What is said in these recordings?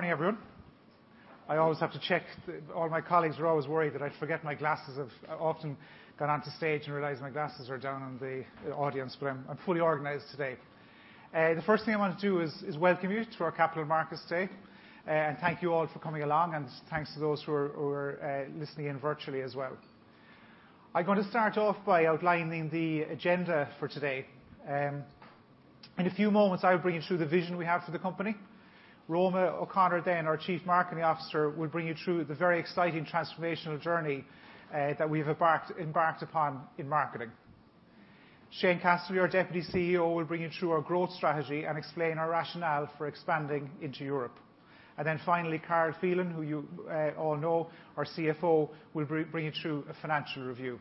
Good morning, everyone. I always have to check. All my colleagues are always worried that I'd forget my glasses. I've often gone onto stage and realized my glasses are down in the audience, but I'm fully organized today. The first thing I want to do is welcome you to our Capital Markets Day, and thank you all for coming along, and thanks to those who are listening in virtually as well. I'm going to start off by outlining the agenda for today. In a few moments, I'll bring you through the vision we have for the company. Roma O'Connor, then our Chief Marketing Officer, will bring you through the very exciting transformational journey that we've embarked upon in marketing. Shane Casserly, our Deputy CEO, will bring you through our growth strategy and explain our rationale for expanding into Europe. Then finally, Carol Phelan, who you all know, our CFO, will bring you through a financial review.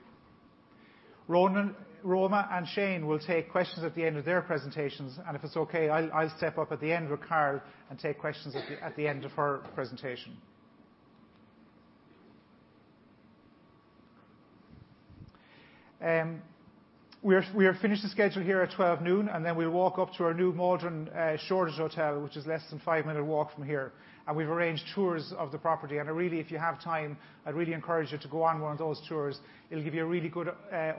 Roma and Shane will take questions at the end of their presentations, and if it's okay, I'll step up at the end with Carol and take questions at the end of our presentation. We are finished the schedule here at 12:00pm, and then we'll walk up to our new Maldron Shoreditch hotel, which is less than a five-minute walk from here, and we've arranged tours of the property. Really, if you have time, I'd really encourage you to go on one of those tours. It'll give you a really good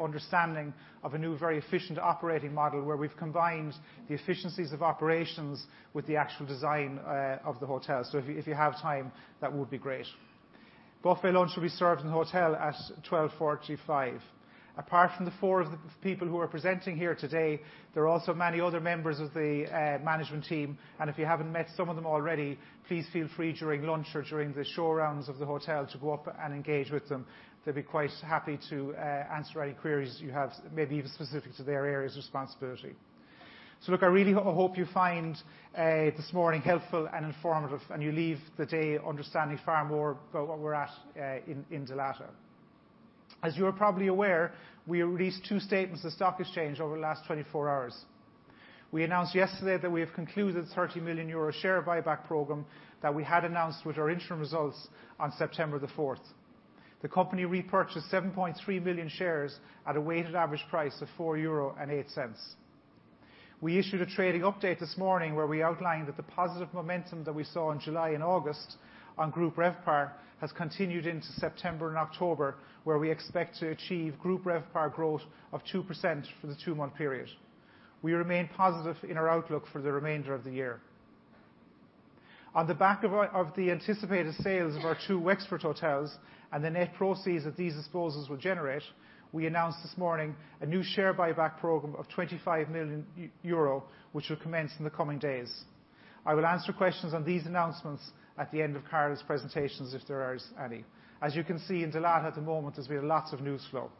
understanding of a new, very efficient operating model, where we've combined the efficiencies of operations with the actual design of the hotel. If you have time, that would be great. Buffet lunch will be served in the hotel at 12:45 P.M. Apart from the four people who are presenting here today, there are also many other members of the management team, and if you haven't met some of them already, please feel free during lunch or during the showarounds of the hotel to go up and engage with them. They'd be quite happy to answer any queries you have, maybe even specific to their areas of responsibility. Look, I really hope you find this morning helpful and informative, and you leave the day understanding far more about where we're at in Dalata. As you are probably aware, we released two statements to the stock exchange over the last 24 hours. We announced yesterday that we have concluded a EUR 30 million share buyback program that we had announced with our interim results on September 4th. The company repurchased 7.3 million shares at a weighted average price of 4.08 euro. We issued a trading update this morning, where we outlined that the positive momentum that we saw in July and August on group RevPAR has continued into September and October, where we expect to achieve group RevPAR growth of 2% for the two-month period. We remain positive in our outlook for the remainder of the year. On the back of our anticipated sales of our two Wexford hotels and the net proceeds that these disposals will generate, we announced this morning a new share buyback program of 25 million euro, which will commence in the coming days. I will answer questions on these announcements at the end of Carol's presentations if there is any. As you can see, in Dalata at the moment, is we have lots of news flow.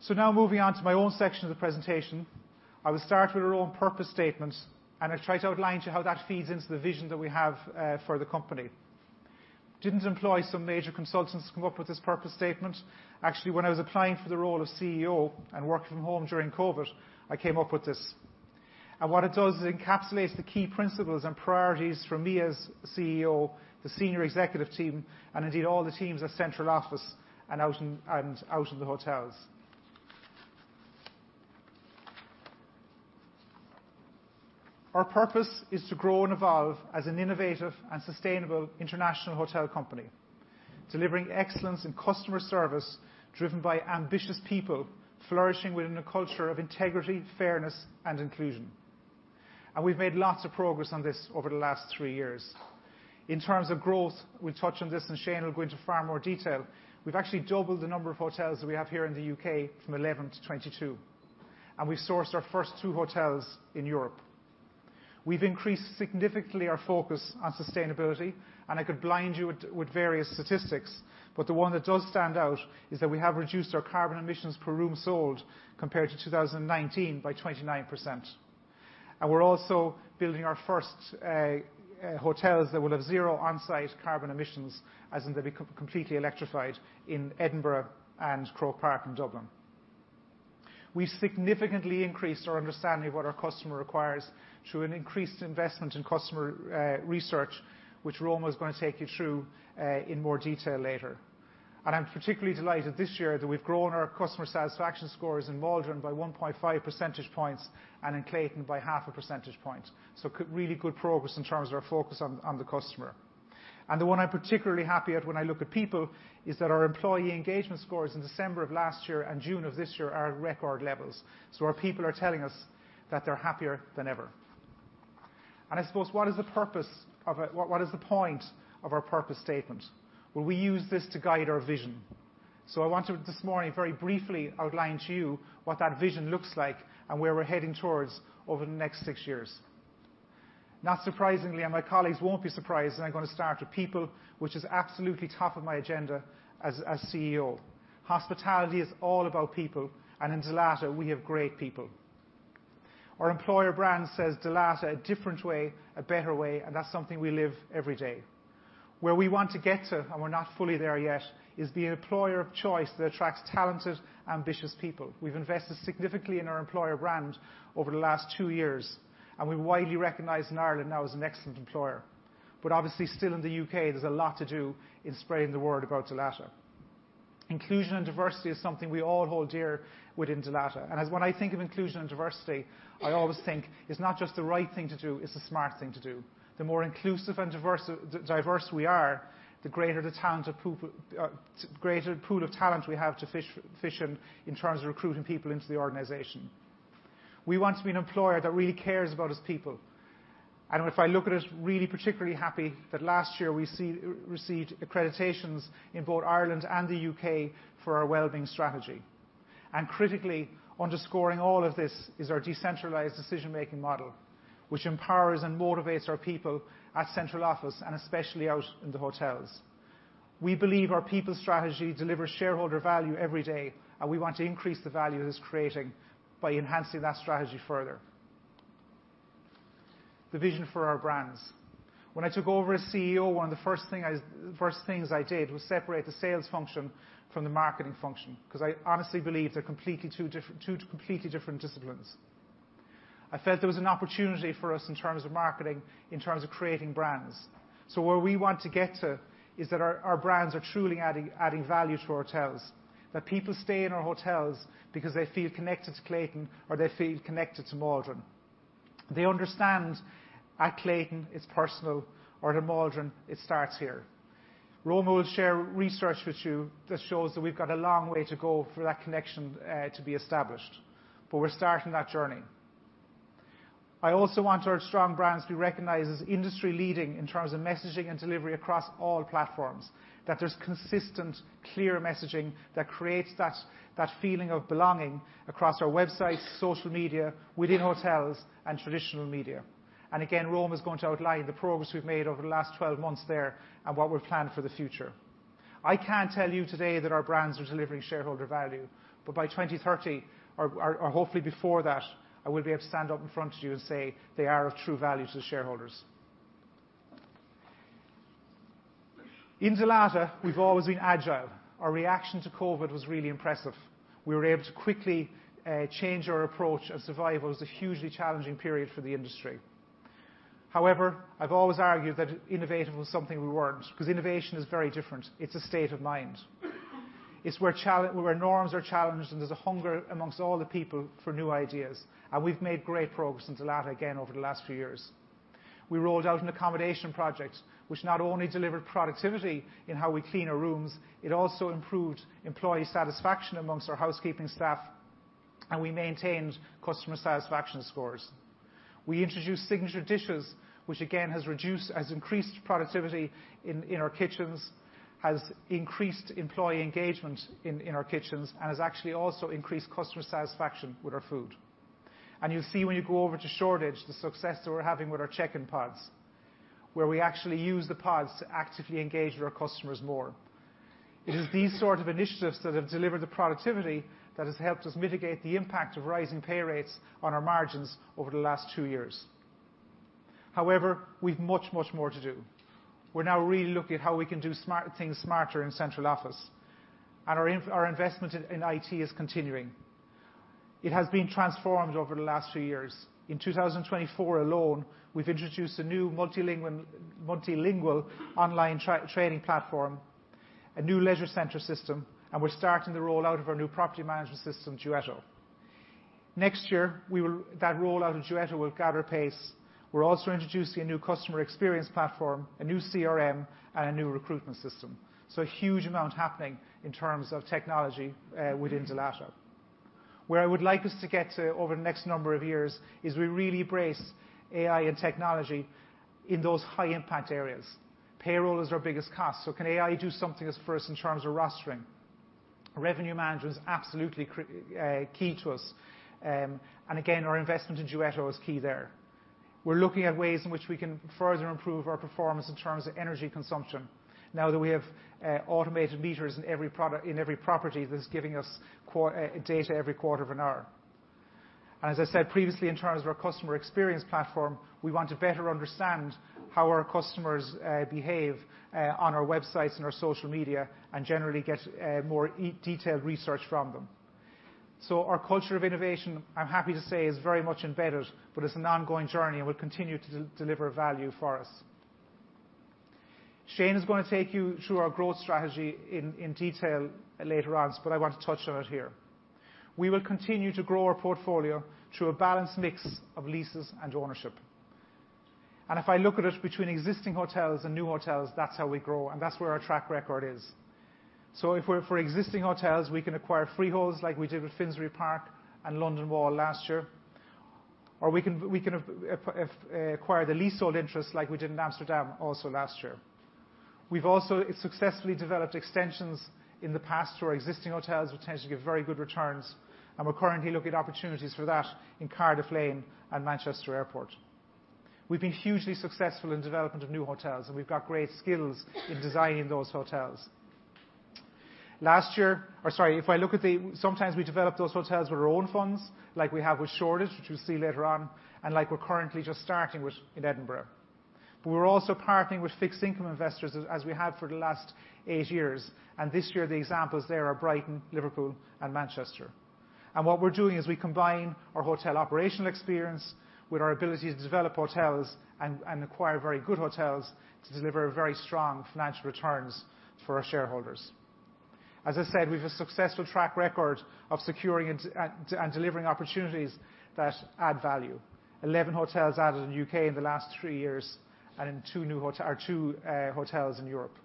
So now moving on to my own section of the presentation. I will start with our own purpose statement, and I'll try to outline to you how that feeds into the vision that we have for the company. We didn't employ some major consultants to come up with this purpose statement. Actually, when I was applying for the role of CEO and working from home during COVID, I came up with this. And what it does is encapsulates the key principles and priorities from me as CEO, the senior executive team, and indeed all the teams at central office and out in the hotels. Our purpose is to grow and evolve as an innovative and sustainable international hotel company. Delivering excellence in customer service, driven by ambitious people, flourishing within a culture of integrity, fairness, and inclusion. And we've made lots of progress on this over the last three years. In terms of growth, we'll touch on this, and Shane will go into far more detail. We've actually doubled the number of hotels that we have here in the U.K. from 11 to 22, and we've sourced our first two hotels in Europe. We've increased significantly our focus on sustainability, and I could blind you with various statistics, but the one that does stand out is that we have reduced our carbon emissions per room sold compared to 2019 by 29%. We're also building our first hotels that will have zero onsite carbon emissions, as in they'll be completely electrified in Edinburgh and Croke Park in Dublin. We've significantly increased our understanding of what our customer requires through an increased investment in customer research, which Roma is gonna take you through in more detail later. I'm particularly delighted this year that we've grown our customer satisfaction scores in Maldron by one point five percentage points and in Clayton by half a percentage point. Good, really good progress in terms of our focus on the customer. The one I'm particularly happy at when I look at people is that our employee engagement scores in December of last year and June of this year are at record levels. Our people are telling us that they're happier than ever. I suppose, what is the point of our purpose statement? We use this to guide our vision. I want to, this morning, very briefly outline to you what that vision looks like and where we're heading towards over the next six years. Not surprisingly, and my colleagues won't be surprised, that I'm gonna start with people, which is absolutely top of my agenda as CEO. Hospitality is all about people, and in Dalata, we have great people. Our employer brand says, "Dalata, a different way, a better way," and that's something we live every day. Where we want to get to, and we're not fully there yet, is be an employer of choice that attracts talented and ambitious people. We've invested significantly in our employer brand over the last two years, and we're widely recognized in Ireland now as an excellent employer. But obviously, still in the U.K., there's a lot to do in spreading the word about Dalata. Inclusion and diversity is something we all hold dear within Dalata. And when I think of inclusion and diversity, I always think it's not just the right thing to do, it's the smart thing to do. The more inclusive and diverse we are, the greater pool of talent we have to fish in terms of recruiting people into the organization. We want to be an employer that really cares about its people, and if I look at us, really particularly happy that last year we received accreditations in both Ireland and the U.K. for our well-being strategy. Critically, underscoring all of this is our decentralized decision-making model, which empowers and motivates our people at central office and especially out in the hotels. We believe our people strategy delivers shareholder value every day, and we want to increase the value it is creating by enhancing that strategy further. The vision for our brands. When I took over as CEO, one of the first things I did was separate the sales function from the marketing function, because I honestly believe they're completely different disciplines. I felt there was an opportunity for us in terms of marketing, in terms of creating brands. So what we want to get to is that our brands are truly adding value to our hotels. That people stay in our hotels because they feel connected to Clayton or they feel connected to Maldron. They understand at Clayton, it's personal, or at a Maldron, it starts here. Roma will share research with you that shows that we've got a long way to go for that connection to be established, but we're starting that journey. I also want our strong brands to be recognized as industry-leading in terms of messaging and delivery across all platforms. That there's consistent, clear messaging that creates that feeling of belonging across our websites, social media, within hotels, and traditional media. And again, Roma is going to outline the progress we've made over the last 12 months there and what we've planned for the future. I can't tell you today that our brands are delivering shareholder value, but by 2030, or hopefully before that, I will be able to stand up in front of you and say they are of true value to the shareholders. In Dalata, we've always been agile. Our reaction to COVID was really impressive. We were able to quickly change our approach, and survival was a hugely challenging period for the industry. However, I've always argued that innovative was something we weren't, because innovation is very different. It's a state of mind. It's where norms are challenged, and there's a hunger among all the people for new ideas, and we've made great progress in Dalata again over the last few years. We rolled out an accommodation project, which not only delivered productivity in how we clean our rooms, it also improved employee satisfaction among our housekeeping staff, and we maintained customer satisfaction scores. We introduced signature dishes, which again has increased productivity in our kitchens, has increased employee engagement in our kitchens, and has actually also increased customer satisfaction with our food. You'll see when you go over to Shoreditch, the success that we're having with our check-in pods, where we actually use the pods to actively engage with our customers more. It is these sort of initiatives that have delivered the productivity that has helped us mitigate the impact of rising pay rates on our margins over the last two years. However, we've much, much more to do. We're now really looking at how we can do smart things smarter in central office, and our investment in IT is continuing. It has been transformed over the last few years. In 2024 alone, we've introduced a new multilingual online training platform, a new leisure center system, and we're starting the rollout of our new property management system, Duetto. Next year, that rollout of Duetto will gather pace. We're also introducing a new customer experience platform, a new CRM, and a new recruitment system. So a huge amount happening in terms of technology within Dalata. Where I would like us to get to over the next number of years is we really embrace AI and technology in those high-impact areas. Payroll is our biggest cost, so can AI do something for us in terms of rostering? Revenue management is absolutely key to us. And again, our investment in Duetto is key there. We're looking at ways in which we can further improve our performance in terms of energy consumption. Now that we have automated meters in every property, that's giving us data every quarter of an hour. And as I said previously, in terms of our customer experience platform, we want to better understand how our customers behave on our websites and our social media, and generally get more detailed research from them. So our culture of innovation, I'm happy to say, is very much embedded, but it's an ongoing journey and will continue to deliver value for us. Shane is going to take you through our growth strategy in detail later on, but I want to touch on it here. We will continue to grow our portfolio through a balanced mix of leases and ownership. And if I look at it between existing hotels and new hotels, that's how we grow, and that's where our track record is. So if we're for existing hotels, we can acquire freeholds like we did with Finsbury Park and London Wall last year, or we can acquire the leasehold interest like we did in Amsterdam also last year. We've also successfully developed extensions in the past to our existing hotels, which tends to give very good returns, and we're currently looking at opportunities for that in Cardiff Lane and Manchester Airport. We've been hugely successful in development of new hotels, and we've got great skills in designing those hotels. Sometimes we develop those hotels with our own funds, like we have with Shoreditch, which we'll see later on, and like we're currently just starting with in Edinburgh. But we're also partnering with fixed income investors, as we have for the last eight years, and this year the examples there are Brighton, Liverpool, and Manchester. And what we're doing is we combine our hotel operational experience with our ability to develop hotels and acquire very good hotels to deliver very strong financial returns for our shareholders. As I said, we've a successful track record of securing and delivering opportunities that add value. 11 hotels added in the U.K. in the last 3 years, and two hotels in Europe.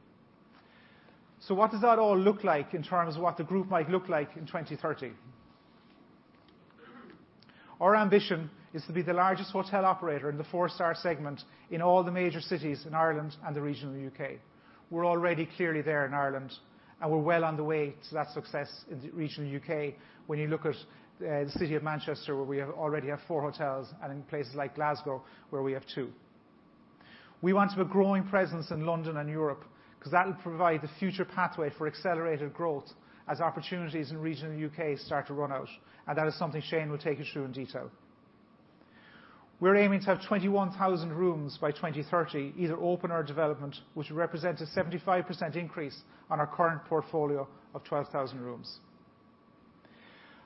So what does that all look like in terms of what the group might look like in 2030? Our ambition is to be the largest hotel operator in the four-star segment in all the major cities in Ireland and the regional U.K.. We're already clearly there in Ireland, and we're well on the way to that success in the regional U.K. when you look at the city of Manchester, where we already have four hotels, and in places like Glasgow, where we have two. We want to have a growing presence in London and Europe, 'cause that'll provide the future pathway for accelerated growth as opportunities in regional U.K. start to run out, and that is something Shane will take you through in detail. We're aiming to have 21,000 rooms by 2030, either open or in development, which will represent a 75% increase on our current portfolio of 12,000 rooms.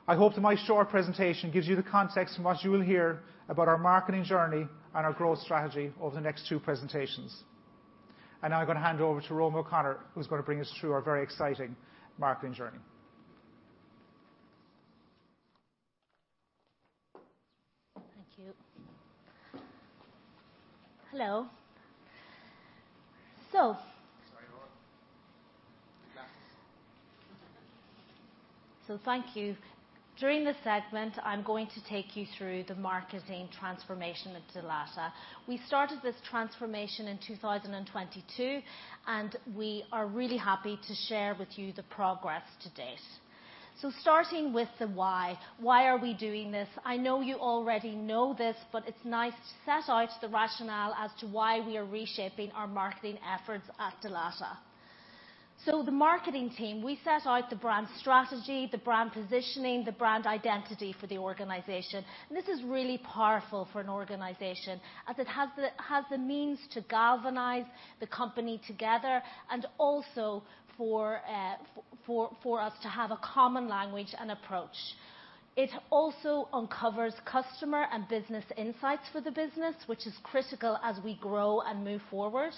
I hope that my short presentation gives you the context in what you will hear about our marketing journey and our growth strategy over the next two presentations. Now I'm gonna hand over to Roma O'Connor, who's gonna bring us through our very exciting marketing journey. Thank you. Hello. Sorry, what? The glasses. Thank you. During this segment, I'm going to take you through the marketing transformation of Dalata. We started this transformation in 2022, and we are really happy to share with you the progress to date. Starting with the why. Why are we doing this? I know you already know this, but it's nice to set out the rationale as to why we are reshaping our marketing efforts at Dalata. The marketing team, we set out the brand strategy, the brand positioning, the brand identity for the organization, and this is really powerful for an organization, as it has the means to galvanize the company together and also for us to have a common language and approach. It also uncovers customer and business insights for the business, which is critical as we grow and move forward,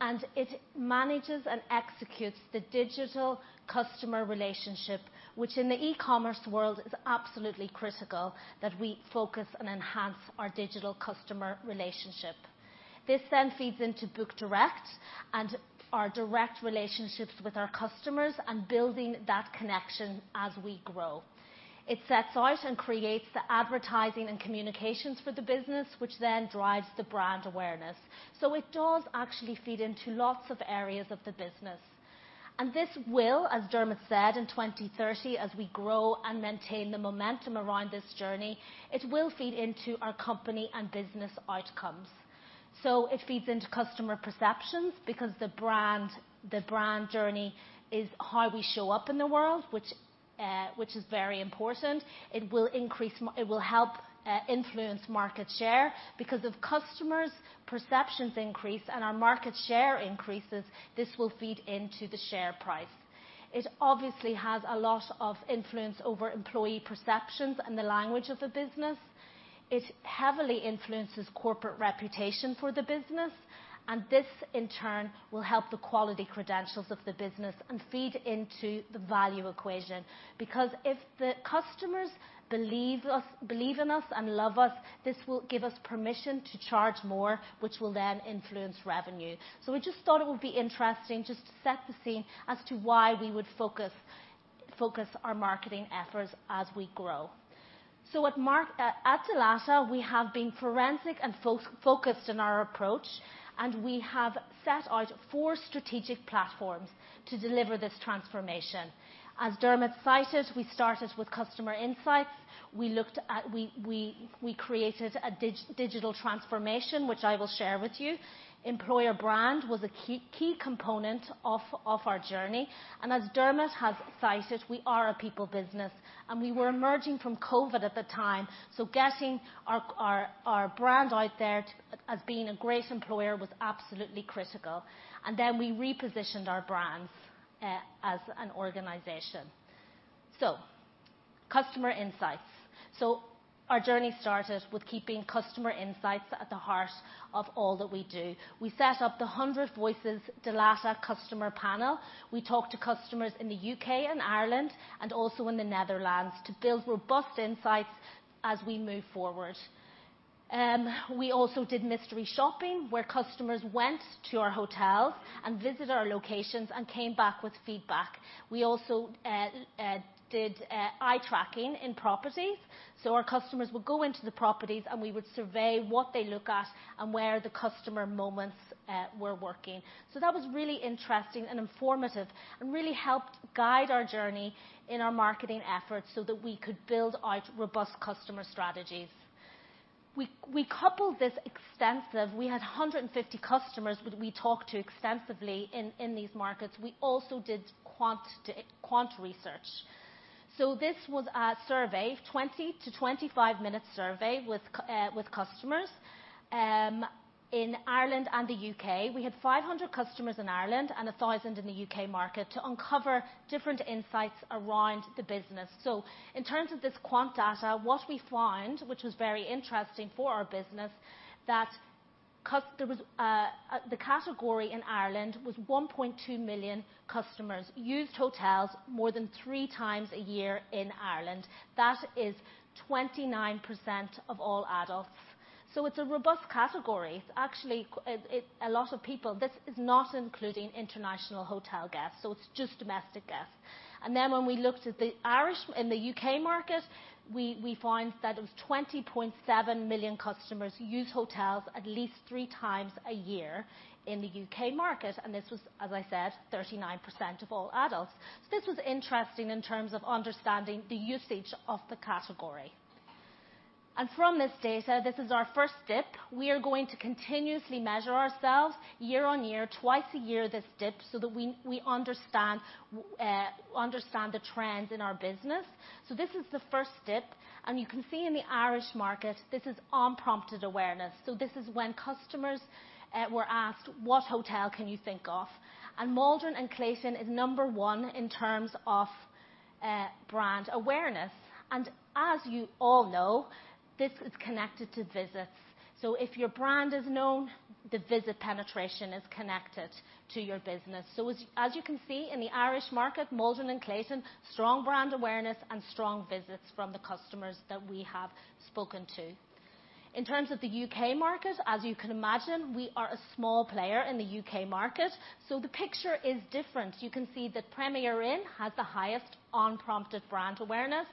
and it manages and executes the digital customer relationship, which in the e-commerce world, is absolutely critical that we focus and enhance our digital customer relationship. This then feeds into book direct and our direct relationships with our customers and building that connection as we grow. It sets out and creates the advertising and communications for the business, which then drives the brand awareness. So it does actually feed into lots of areas of the business. And this will, as Dermot said, in 2030, as we grow and maintain the momentum around this journey, it will feed into our company and business outcomes. So it feeds into customer perceptions, because the brand, the brand journey is how we show up in the world, which is very important. It will help influence market share, because if customers' perceptions increase and our market share increases, this will feed into the share price. It obviously has a lot of influence over employee perceptions and the language of the business. It heavily influences corporate reputation for the business, and this, in turn, will help the quality credentials of the business and feed into the value equation. Because if the customers believe us, believe in us and love us, this will give us permission to charge more, which will then influence revenue. So we just thought it would be interesting just to set the scene as to why we would focus our marketing efforts as we grow. So at Dalata, we have been forensic and focused in our approach, and we have set out four strategic platforms to deliver this transformation. As Dermot cited, we started with customer insights. We created a digital transformation, which I will share with you. Employer brand was a key component of our journey, and as Dermot has cited, we are a people business, and we were emerging from COVID at the time, so getting our brand out there as being a great employer was absolutely critical. Then we repositioned our brands as an organization. Customer insights. Our journey started with keeping customer insights at the heart of all that we do. We set up the 1 Dalata customer panel. We talked to customers in the U.K. and Ireland, and also in the Netherlands, to build robust insights as we move forward. We also did mystery shopping, where customers went to our hotels and visited our locations and came back with feedback. We also did eye tracking in properties. So our customers would go into the properties, and we would survey what they look at and where the customer moments were working. So that was really interesting and informative and really helped guide our journey in our marketing efforts so that we could build out robust customer strategies. We had 150 customers that we talked to extensively in these markets. We also did quant research. So this was a survey, 20-25-minute survey with customers in Ireland and the U.K.. We had 500 customers in Ireland and 1,000 in the U.K. market to uncover different insights around the business. So in terms of this quant data, what we found, which was very interesting for our business, that the category in Ireland was 1.2 million customers used hotels more than three times a year in Ireland. That is 29% of all adults. So it's a robust category. It's actually, it a lot of people. This is not including international hotel guests, so it's just domestic guests. And then when we looked at the research in the U.K. market, we found that it was 20.7 million customers use hotels at least three times a year in the U.K. market, and this was, as I said, 39% of all adults. So this was interesting in terms of understanding the usage of the category. And from this data, this is our first dip. We are going to continuously measure ourselves year on year, twice a year, this dip, so that we understand the trends in our business. So this is the first dip, and you can see in the Irish market, this is unprompted awareness. So this is when customers were asked: "What hotel can you think of?" And Maldron and Clayton is number one in terms of brand awareness. And as you all know, this is connected to visits. So if your brand is known, the visit penetration is connected to your business. So as you can see, in the Irish market, Maldron and Clayton, strong brand awareness and strong visits from the customers that we have spoken to. In terms of the U.K. market, as you can imagine, we are a small player in the U.K. market, so the picture is different. You can see that Premier Inn has the highest unprompted brand awareness,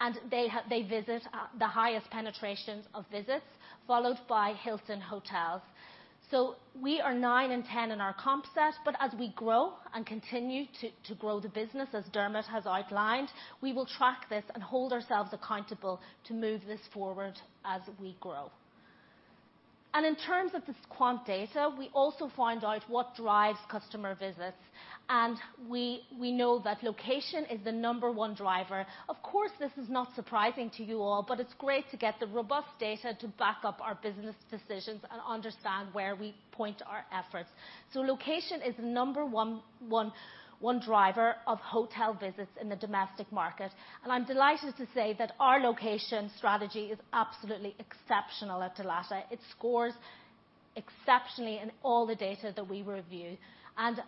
and they visit the highest penetrations of visits, followed by Hilton Hotels. We are nine and 10 in our comp set, but as we grow and continue to grow the business, as Dermot has outlined, we will track this and hold ourselves accountable to move this forward as we grow. In terms of this quant data, we also found out what drives customer visits, and we know that location is the number one driver. Of course, this is not surprising to you all, but it's great to get the robust data to back up our business decisions and understand where we point our efforts. Location is the number one driver of hotel visits in the domestic market, and I'm delighted to say that our location strategy is absolutely exceptional at Dalata. It scores exceptionally in all the data that we review. As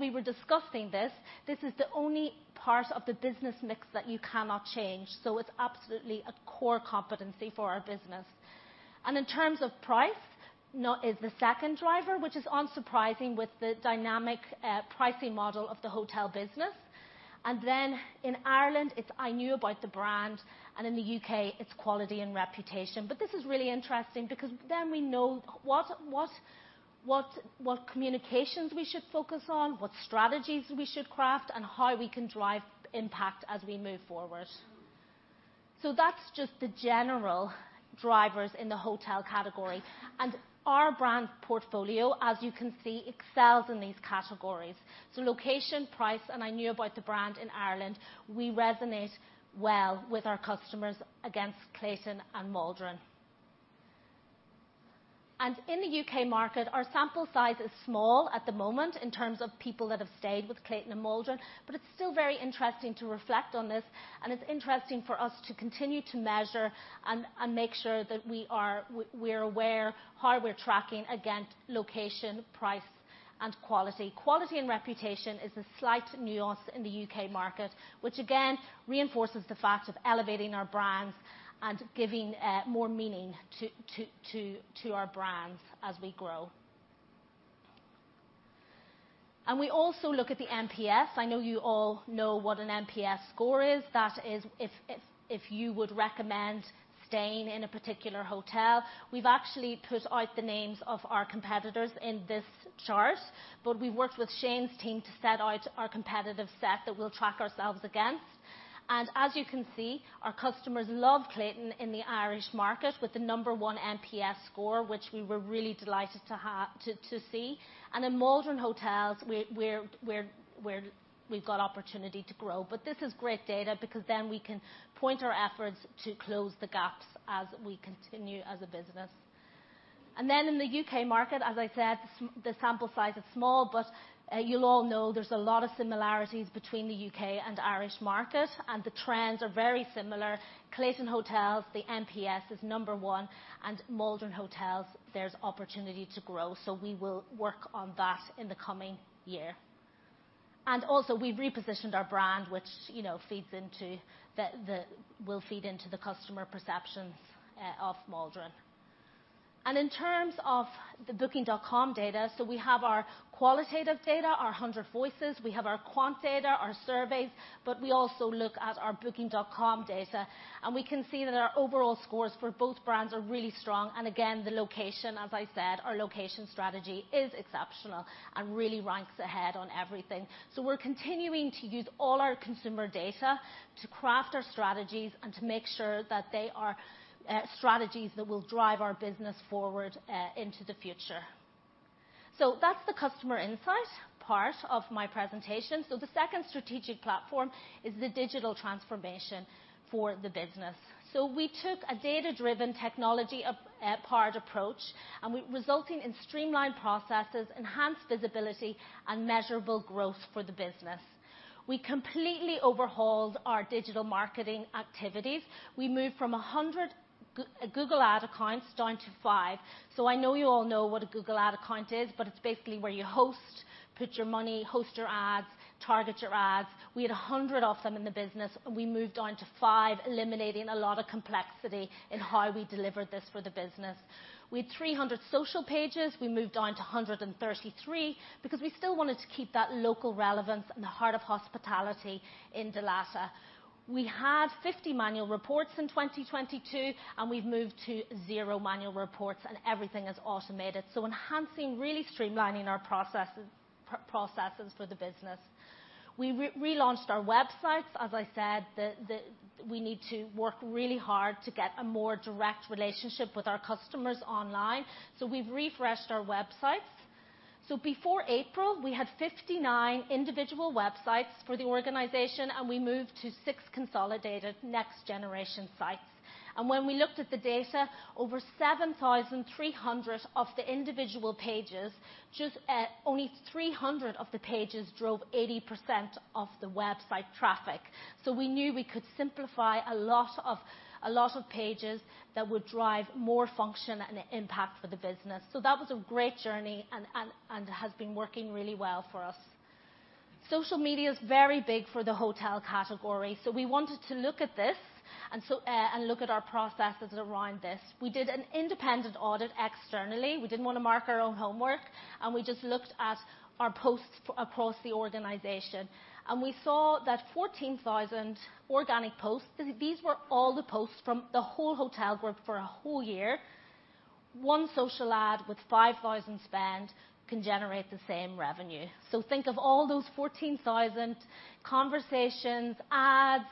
we were discussing this, this is the only part of the business mix that you cannot change, so it's absolutely a core competency for our business. In terms of price, now is the second driver, which is unsurprising with the dynamic pricing model of the hotel business. In Ireland, it's I knew about the brand, and in the U.K., it's quality and reputation. This is really interesting because then we know what communications we should focus on, what strategies we should craft, and how we can drive impact as we move forward. That's just the general drivers in the hotel category, and our brand portfolio, as you can see, excels in these categories. Location, price, and I know about the brand in Ireland, we resonate well with our customers against Clayton and Maldron. In the U.K. market, our sample size is small at the moment in terms of people that have stayed with Clayton and Maldron, but it's still very interesting to reflect on this, and it's interesting for us to continue to measure and make sure that we're aware how we're tracking against location, price, and quality. Quality and reputation is a slight nuance in the U.K. market, which again reinforces the fact of elevating our brands and giving more meaning to our brands as we grow. We also look at the NPS. I know you all know what an NPS score is. That is if you would recommend staying in a particular hotel. We've actually put out the names of our competitors in this chart, but we worked with Shane's team to set out our competitive set that we'll track ourselves against. And as you can see, our customers love Clayton in the Irish market with the number one NPS score, which we were really delighted to have to see. And in Maldron Hotels, we've got opportunity to grow. But this is great data because then we can point our efforts to close the gaps as we continue as a business. Then in the U.K. market, as I said, the sample size is small, but you'll all know there's a lot of similarities between the U.K. and Irish market, and the trends are very similar. Clayton Hotels, the NPS, is number one, and Maldron Hotels, there's opportunity to grow, so we will work on that in the coming year. We've repositioned our brand, which, you know, feeds into the will feed into the customer perceptions of Maldron. In terms of the Booking.com data, we have our qualitative data, our Hundred Voices, we have our quant data, our surveys, but we also look at our Booking.com data, and we can see that our overall scores for both brands are really strong. The location, as I said, our location strategy is exceptional and really ranks ahead on everything. We're continuing to use all our consumer data to craft our strategies and to make sure that they are strategies that will drive our business forward into the future. That's the customer insight part of my presentation. The second strategic platform is the digital transformation for the business. We took a data-driven tech approach, resulting in streamlined processes, enhanced visibility, and measurable growth for the business. We completely overhauled our digital marketing activities. We moved from 100 Google Ad accounts down to five. I know you all know what a Google Ad account is, but it's basically where you host, put your money, host your ads, target your ads. We had 100 of them in the business, and we moved down to five, eliminating a lot of complexity in how we delivered this for the business. We had 300 social pages. We moved down to 133, because we still wanted to keep that local relevance in the heart of hospitality in Dalata. We had 50 manual reports in 2022, and we've moved to zero manual reports, and everything is automated. So enhancing, really streamlining our processes, processes for the business. We relaunched our websites. As I said, we need to work really hard to get a more direct relationship with our customers online, so we've refreshed our websites. So before April, we had 59 individual websites for the organization, and we moved to six consolidated next-generation sites. And when we looked at the data, over 7,300 of the individual pages, just, only 300 of the pages drove 80% of the website traffic. We knew we could simplify a lot of, a lot of pages that would drive more function and impact for the business. So that was a great journey and has been working really well for us. Social media is very big for the hotel category, so we wanted to look at this and so and look at our processes around this. We did an independent audit externally. We didn't want to mark our own homework, and we just looked at our posts from across the organization. And we saw that 14,000 organic posts, these were all the posts from the whole hotel group for a whole year. One social ad with 5,000 spend can generate the same revenue. So think of all those fourteen thousand conversations, ads,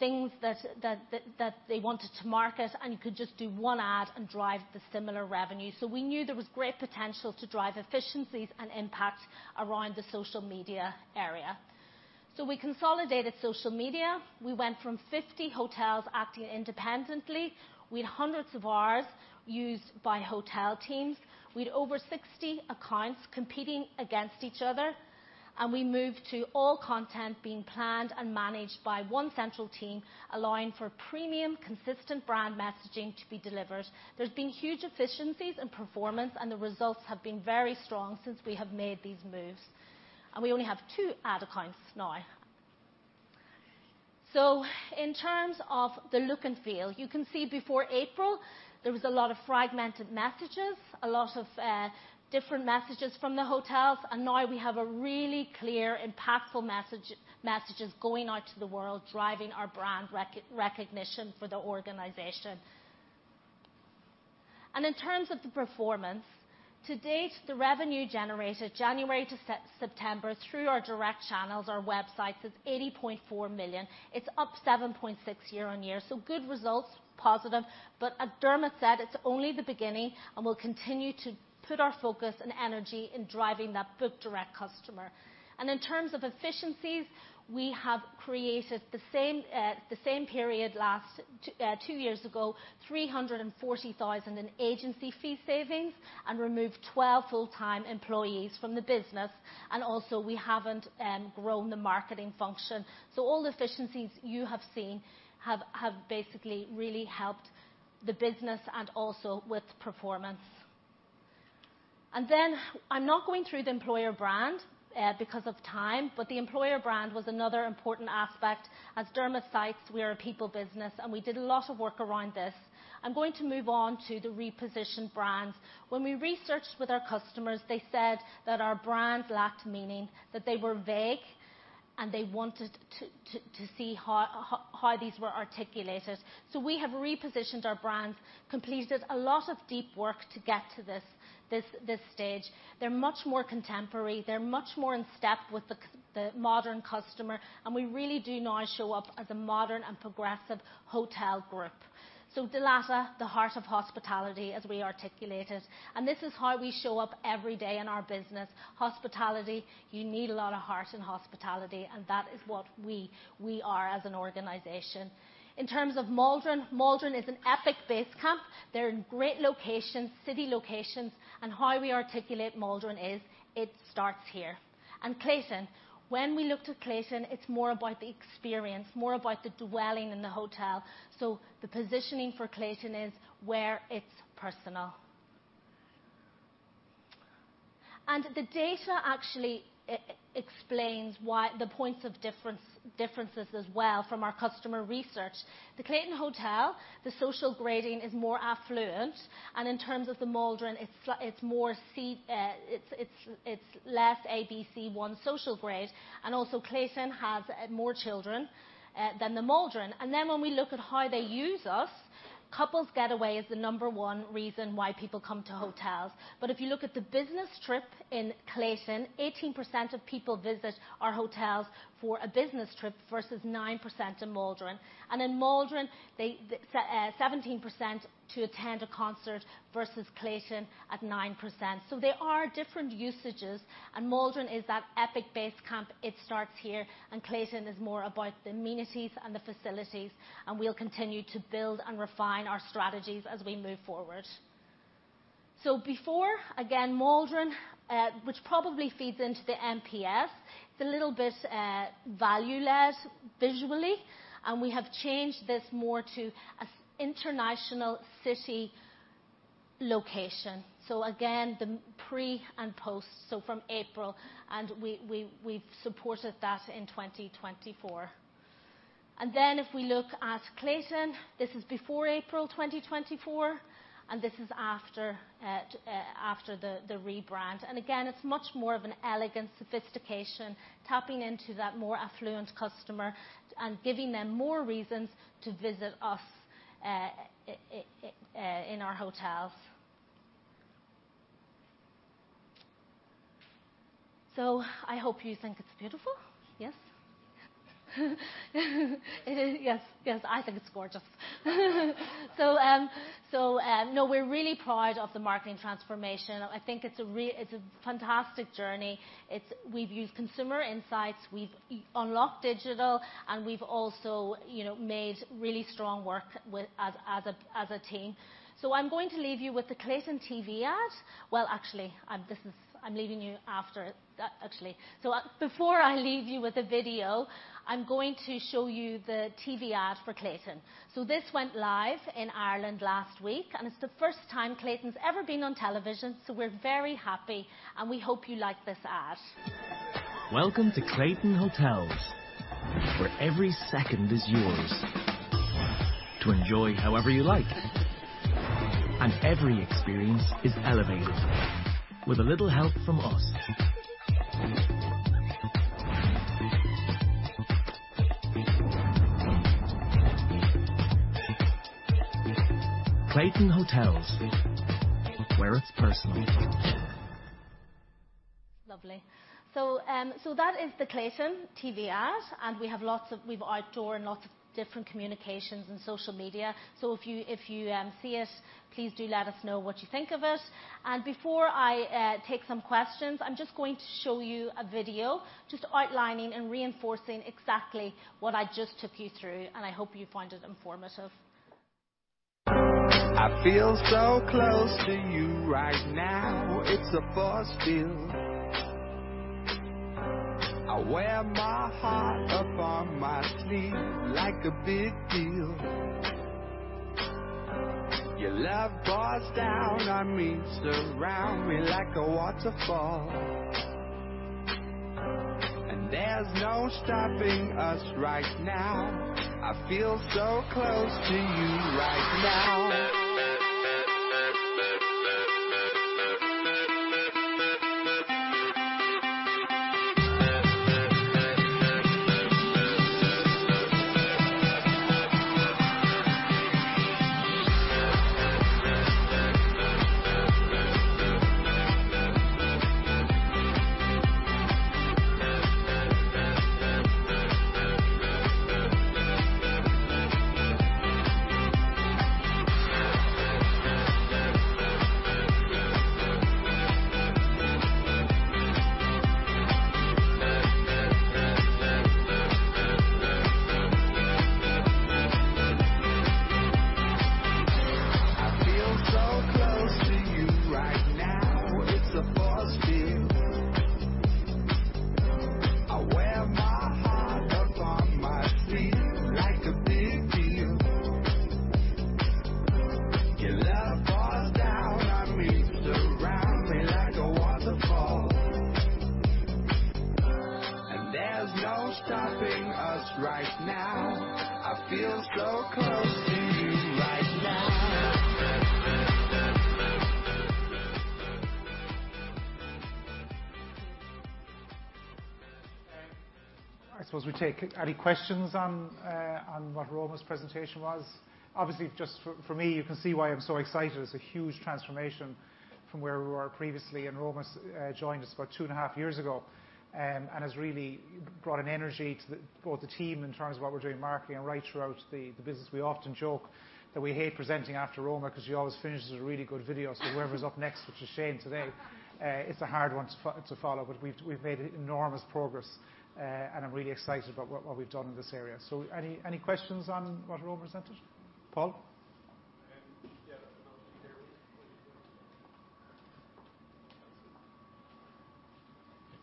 things that they wanted to market, and you could just do one ad and drive the similar revenue. We knew there was great potential to drive efficiencies and impact around the social media area. We consolidated social media. We went from fifty hotels acting independently. We had hundreds of hours used by hotel teams. We had over 60 accounts competing against each other, and we moved to all content being planned and managed by one central team, allowing for premium, consistent brand messaging to be delivered. There's been huge efficiencies and performance, and the results have been very strong since we have made these moves, and we only have two ad accounts now. So in terms of the look and feel, you can see before April, there was a lot of fragmented messages, a lot of different messages from the hotels, and now we have a really clear, impactful message, messages going out to the world, driving our brand recognition for the organization. And in terms of the performance, to date, the revenue generated January to September through our direct channels, our websites, is 80.4 million. It's up 7.6% year-on-year, so good results, positive. But as Dermot said, it's only the beginning, and we'll continue to put our focus and energy in driving that book direct customer. And in terms of efficiencies, we have created the same period last two years ago, 340,000 in agency fee savings and removed 12 full-time employees from the business, and also, we haven't grown the marketing function, so all the efficiencies you have seen have basically really helped the business and also with performance, and then I'm not going through the employer brand because of time, but the employer brand was another important aspect. As Dermot cites, we are a people business, and we did a lot of work around this. I'm going to move on to the repositioned brands. When we researched with our customers, they said that our brands lacked meaning, that they were vague, and they wanted to see how these were articulated. We have repositioned our brands, completed a lot of deep work to get to this stage. They're much more contemporary. They're much more in step with the modern customer, and we really do now show up as a modern and progressive hotel group. Dalata, the heart of hospitality, as we articulate it, and this is how we show up every day in our business. Hospitality, you need a lot of heart in hospitality, and that is what we are as an organization. In terms of Maldron, Maldron is an epic base camp. They're in great locations, city locations, and how we articulate Maldron is, "It starts here." And Clayton, when we look to Clayton, it's more about the experience, more about the dwelling in the hotel, so the positioning for Clayton is, "Where it's personal." And the data actually explains why, the points of difference, differences as well from our customer research. The Clayton Hotel, the social grading is more affluent, and in terms of the Maldron, it's more C, it's less ABC1 social grade, and also, Clayton has more children than the Maldron. And then when we look at how they use us, couples getaway is the number one reason why people come to hotels. But if you look at the business trip in Clayton, 18% of people visit our hotels for a business trip versus 9% in Maldron. In Maldron, 17% to attend a concert versus Clayton at 9%. There are different usages, and Maldron is that epic base camp, "It starts here," and Clayton is more about the amenities and the facilities, and we'll continue to build and refine our strategies as we move forward. Before, again, Maldron, which probably feeds into the NPS, it's a little bit value-led visually, and we have changed this more to an international city location. Again, the pre and post, so from April, and we have supported that in 2024. Then, if we look at Clayton, this is before April 2024, and this is after the rebrand. And again, it's much more of an elegant sophistication, tapping into that more affluent customer and giving them more reasons to visit us in our hotels. So I hope you think it's beautiful. Yes? It is. Yes. Yes, I think it's gorgeous. So, no, we're really proud of the marketing transformation. I think it's a fantastic journey. It's. We've used consumer insights, we've unlocked digital, and we've also, you know, made really strong work with, as a team. So I'm going to leave you with the Clayton TV ad. Well, actually, I'm leaving you after, actually. So before I leave you with a video, I'm going to show you the TV ad for Clayton. So this went live in Ireland last week, and it's the first time Clayton's ever been on television, so we're very happy, and we hope you like this ad. Welcome to Clayton Hotels, where every second is yours to enjoy however you like, and every experience is elevated with a little help from us. Clayton Hotels, where it's personal. Lovely. So, that is the Clayton TV ad, and we have lots of outdoor and lots of different communications and social media. So if you see it, please do let us know what you think of it. Before I take some questions, I'm just going to show you a video, just outlining and reinforcing exactly what I just took you through, and I hope you find it informative. I feel so close to you right now. It's a buzz feel. I wear my heart up on my sleeve like a big deal. Your love pours down on me, surround me like a waterfall, and there's no stopping us right now. I feel so close to you right now. I feel so close to you right now. It's a buzz feel. I wear my heart up on my sleeve like a big deal. Your love pours down on me, surround me like a waterfall, and there's no stopping us right now. I feel so close to you right now. I suppose we take any questions on what Roma's presentation was. Obviously, just for me, you can see why I'm so excited. It's a huge transformation from where we were previously, and Roma joined us about two and a half years ago, and has really brought an energy to both the team in terms of what we're doing, marketing, and right throughout the business. We often joke that we hate presenting after Roma because she always finishes with a really good video. So whoever's up next, which is Shane today, it's a hard one to follow, but we've made enormous progress, and I'm really excited about what we've done in this area. So any questions on what Roma presented? Paul? Um, yeah.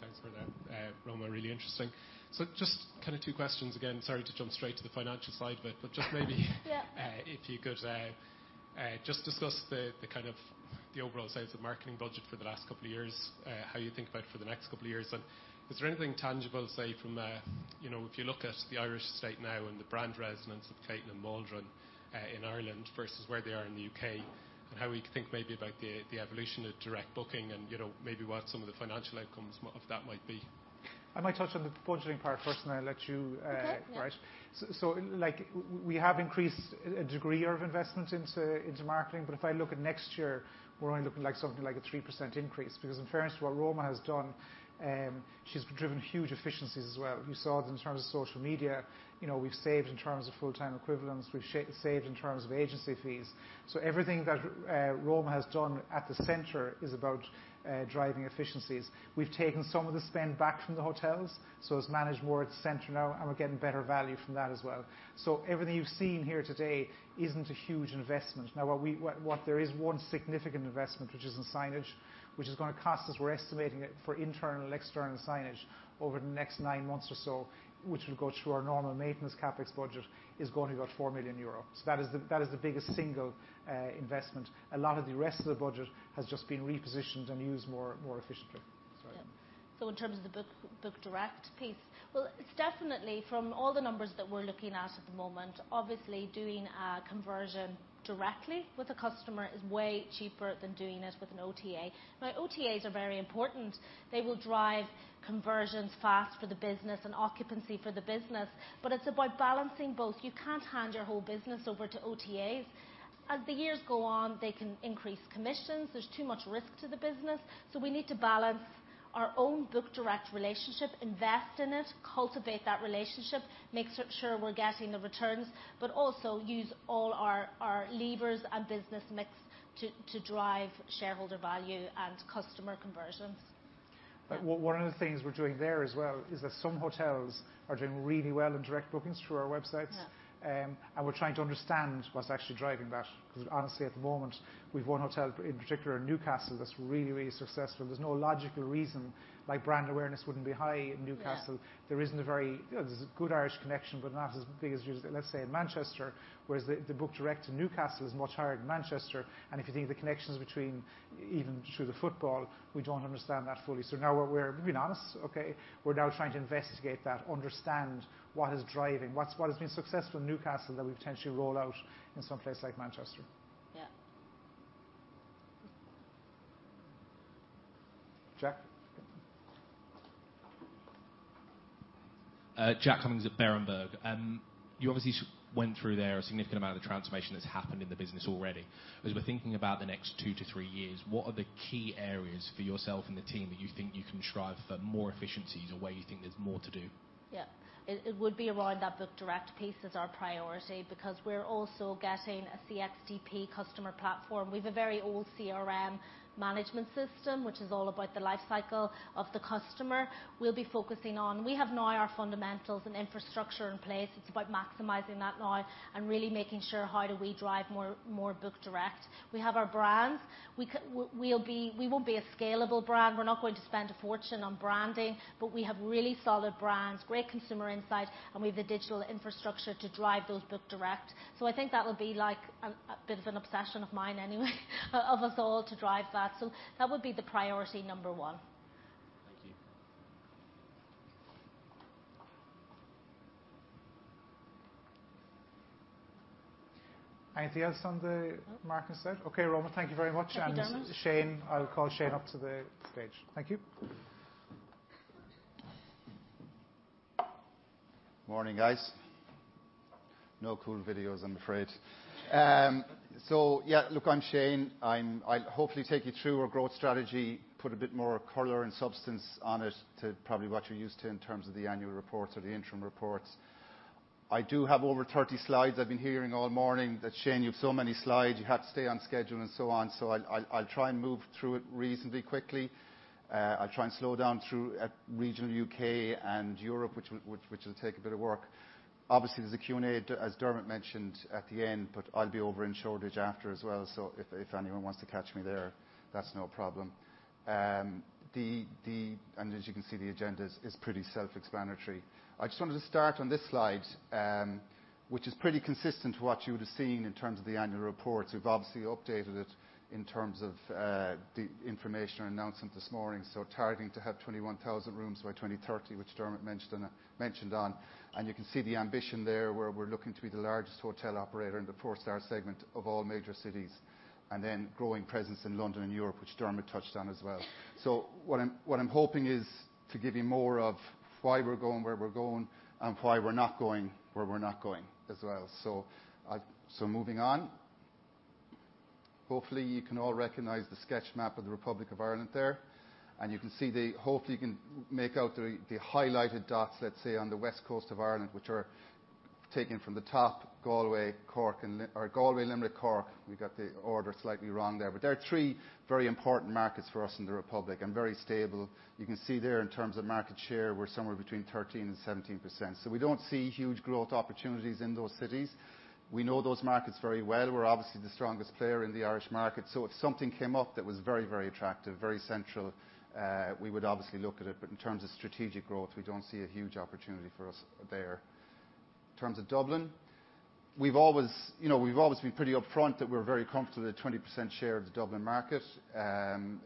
Thanks for that, Roma. Really interesting. So just kind of two questions again, sorry to jump straight to the financial side of it, but just maybe- Yeah. If you could just discuss the kind of the overall sales and marketing budget for the last couple of years, how you think about it for the next couple of years? And is there anything tangible, say, from, you know, if you look at the Irish state now and the brand resonance of Clayton and Maldron in Ireland versus where they are in the U.K., and how we think maybe about the evolution of direct booking and, you know, maybe what some of the financial outcomes of that might be. I might touch on the budgeting part first, and then I'll let you, Okay. Yeah ...right. So, like, we have increased a degree of investment into marketing, but if I look at next year, we're only looking like something like a 3% increase. Because in fairness to what Roma has done, she's driven huge efficiencies as well. You saw it in terms of social media, you know, we've saved in terms of full-time equivalents, we've saved in terms of agency fees. So everything that Roma has done at the center is about driving efficiencies. We've taken some of the spend back from the hotels, so it's managed more at the center now, and we're getting better value from that as well. So everything you've seen here today isn't a huge investment. Now, there is one significant investment, which is in signage, which is gonna cost us, we're estimating it, for internal and external signage over the next nine months or so, which will go through our normal maintenance CapEx budget, is going to be about 4 million euros. That is the biggest single investment. A lot of the rest of the budget has just been repositioned and used more efficiently. Sorry. Yeah. So in terms of the book direct piece, well, it's definitely, from all the numbers that we're looking at at the moment, obviously, doing a conversion directly with a customer is way cheaper than doing it with an OTA. Now, OTAs are very important. They will drive conversions fast for the business and occupancy for the business, but it's about balancing both. You can't hand your whole business over to OTAs. As the years go on, they can increase commissions. There's too much risk to the business, so we need to balance our own book direct relationship, invest in it, cultivate that relationship, make sure we're getting the returns, but also use all our levers and business mix to drive shareholder value and customer conversions. But one of the things we're doing there as well, is that some hotels are doing really well in direct bookings through our websites. Yeah. And we're trying to understand what's actually driving that, because honestly, at the moment, we've one hotel in particular in Newcastle, that's really, really successful. There's no logical reason, like, brand awareness wouldn't be high in Newcastle. Yeah. There's a good Irish connection, but not as big as, let's say, in Manchester, whereas the book direct in Newcastle is much higher than Manchester, and if you think the connections between, even through the football, we don't understand that fully. So now we're being honest, okay? We're now trying to investigate that, understand what is driving, what has been successful in Newcastle that we potentially roll out in someplace like Manchester. Yeah. Jack? Jack Cummings at Berenberg. You obviously went through there, a significant amount of the transformation that's happened in the business already. As we're thinking about the next two to three years, what are the key areas for yourself and the team that you think you can drive for more efficiencies or where you think there's more to do? Yeah. It would be around that book direct piece as our priority, because we're also getting a CXDP customer platform. We've a very old CRM management system, which is all about the life cycle of the customer. We'll be focusing on. We have now our fundamentals and infrastructure in place. It's about maximizing that now and really making sure, how do we drive more book direct? We have our brands. We won't be a scalable brand. We're not going to spend a fortune on branding, but we have really solid brands, great consumer insight, and we have the digital infrastructure to drive those book direct. So I think that would be, like, a bit of an obsession of mine anyway, of us all to drive that. So that would be the priority number one. Thank you. Anything else on the market side? Okay, Roma, thank you very much. Thank you, Dermot. Shane, I'll call Shane up to the stage. Thank you. Morning, guys. No cool videos, I'm afraid. So yeah, look, I'm Shane. I'll hopefully take you through our growth strategy, put a bit more color and substance on it to probably what you're used to in terms of the annual reports or the interim reports. I do have over thirty slides. I've been hearing all morning that, "Shane, you have so many slides, you have to stay on schedule," and so on, so I'll try and move through it reasonably quickly. I'll try and slow down through at regional U.K. and Europe, which will take a bit of work. Obviously, there's a Q&A, as Dermot mentioned, at the end, but I'll be over in Shoreditch after as well. So if anyone wants to catch me there, that's no problem. As you can see, the agenda is pretty self-explanatory. I just wanted to start on this slide, which is pretty consistent to what you would have seen in terms of the annual reports. We've obviously updated it in terms of the information or announcement this morning. So targeting to have 21,000 rooms by 2030, which Dermot mentioned on. You can see the ambition there, where we're looking to be the largest hotel operator in the four-star segment of all major cities, and then growing presence in London and Europe, which Dermot touched on as well. What I'm hoping is to give you more of why we're going where we're going, and why we're not going where we're not going as well. So moving on. Hopefully, you can all recognize the sketch map of the Republic of Ireland there, and you can see the highlighted dots, let's say, on the west coast of Ireland, which are starting from the top, Galway, Cork, and Li- or Galway, Limerick, Cork. We got the order slightly wrong there. But there are three very important markets for us in the Republic, and very stable. You can see there in terms of market share, we're somewhere between 13% and 17%. So we don't see huge growth opportunities in those cities. We know those markets very well. We're obviously the strongest player in the Irish market. So if something came up that was very, very attractive, very central, we would obviously look at it. But in terms of strategic growth, we don't see a huge opportunity for us there. In terms of Dublin, we've always, you know, we've always been pretty upfront that we're very comfortable with a 20% share of the Dublin market, and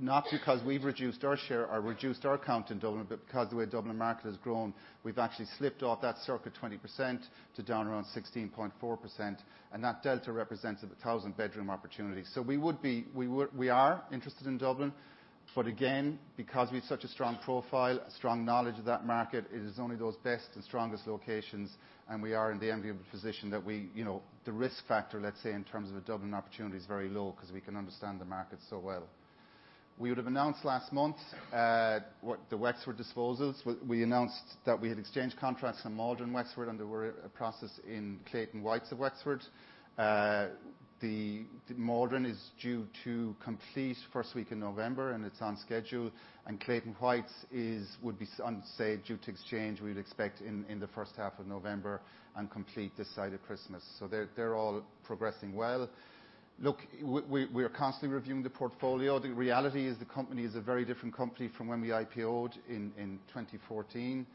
not because we've reduced our share or reduced our count in Dublin, but because the way Dublin market has grown, we've actually slipped off that circa 20% to down around 16.4%, and that delta represents a 1,000-bedroom opportunity. So we would be, we are interested in Dublin, but again, because we've such a strong profile, a strong knowledge of that market, it is only those best and strongest locations, and we are in the enviable position that we, you know, the risk factor, let's say, in terms of a Dublin opportunity is very low, 'cause we can understand the market so well. We would have announced last month what the Wexford disposals. We announced that we had exchanged contracts on Maldron Wexford, and there's a process in Clayton Whites of Wexford. The Maldron is due to complete first week in November, and it's on schedule, and Clayton Whites is due to exchange, we'd expect in the first half of November and complete this side of Christmas. So they're all progressing well. Look, we are constantly reviewing the portfolio. The reality is, the company is a very different company from when we IPO'd in 2014.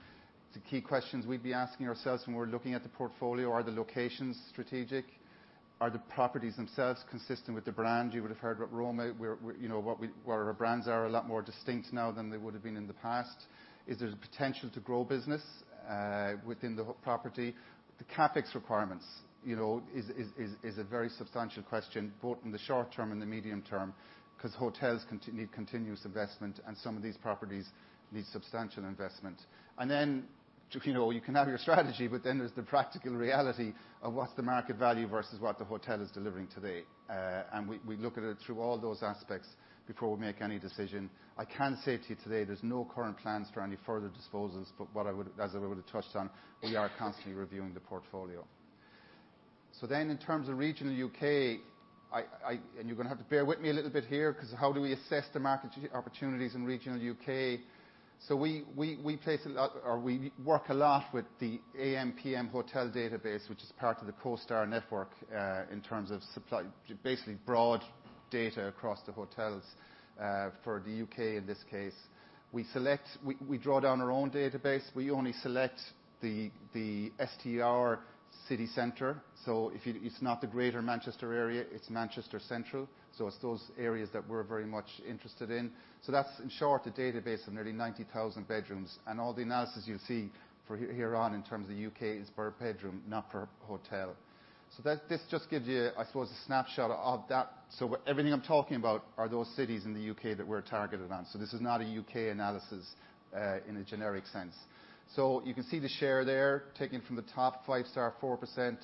The key questions we'd be asking ourselves when we're looking at the portfolio, are the locations strategic? Are the properties themselves consistent with the brand? You would have heard what Roma. You know, what we, where our brands are a lot more distinct now than they would have been in the past. Is there the potential to grow business within the property? The CapEx requirements, you know, is a very substantial question, both in the short term and the medium term, because hotels continue, continuous investment, and some of these properties need substantial investment. And then, you know, you can have your strategy, but then there's the practical reality of what's the market value versus what the hotel is delivering today. And we look at it through all those aspects before we make any decision. I can say to you today, there's no current plans for any further disposals, but what I would, as I would have touched on, we are constantly reviewing the portfolio. So then in terms of regional U.K., and you're going to have to bear with me a little bit here, because how do we assess the market opportunities in regional U.K.? We place a lot, or we work a lot with the AM:PM hotel database, which is part of the CoStar network, in terms of supply, basically broad data across the hotels, for the U.K., in this case. We select. We draw down our own database. We only select the STR city center, so if you, it's not the Greater Manchester area, it's Manchester Central. So it's those areas that we're very much interested in. That's, in short, a database of nearly 90,000 bedrooms, and all the analysis you see from here on in terms of U.K. is per bedroom, not per hotel. So that, this just gives you, I suppose, a snapshot of that. Everything I'm talking about are those cities in the U.K. that we're targeted on. This is not a U.K. analysis in a generic sense. You can see the share there, taking from the top, five star, 4%,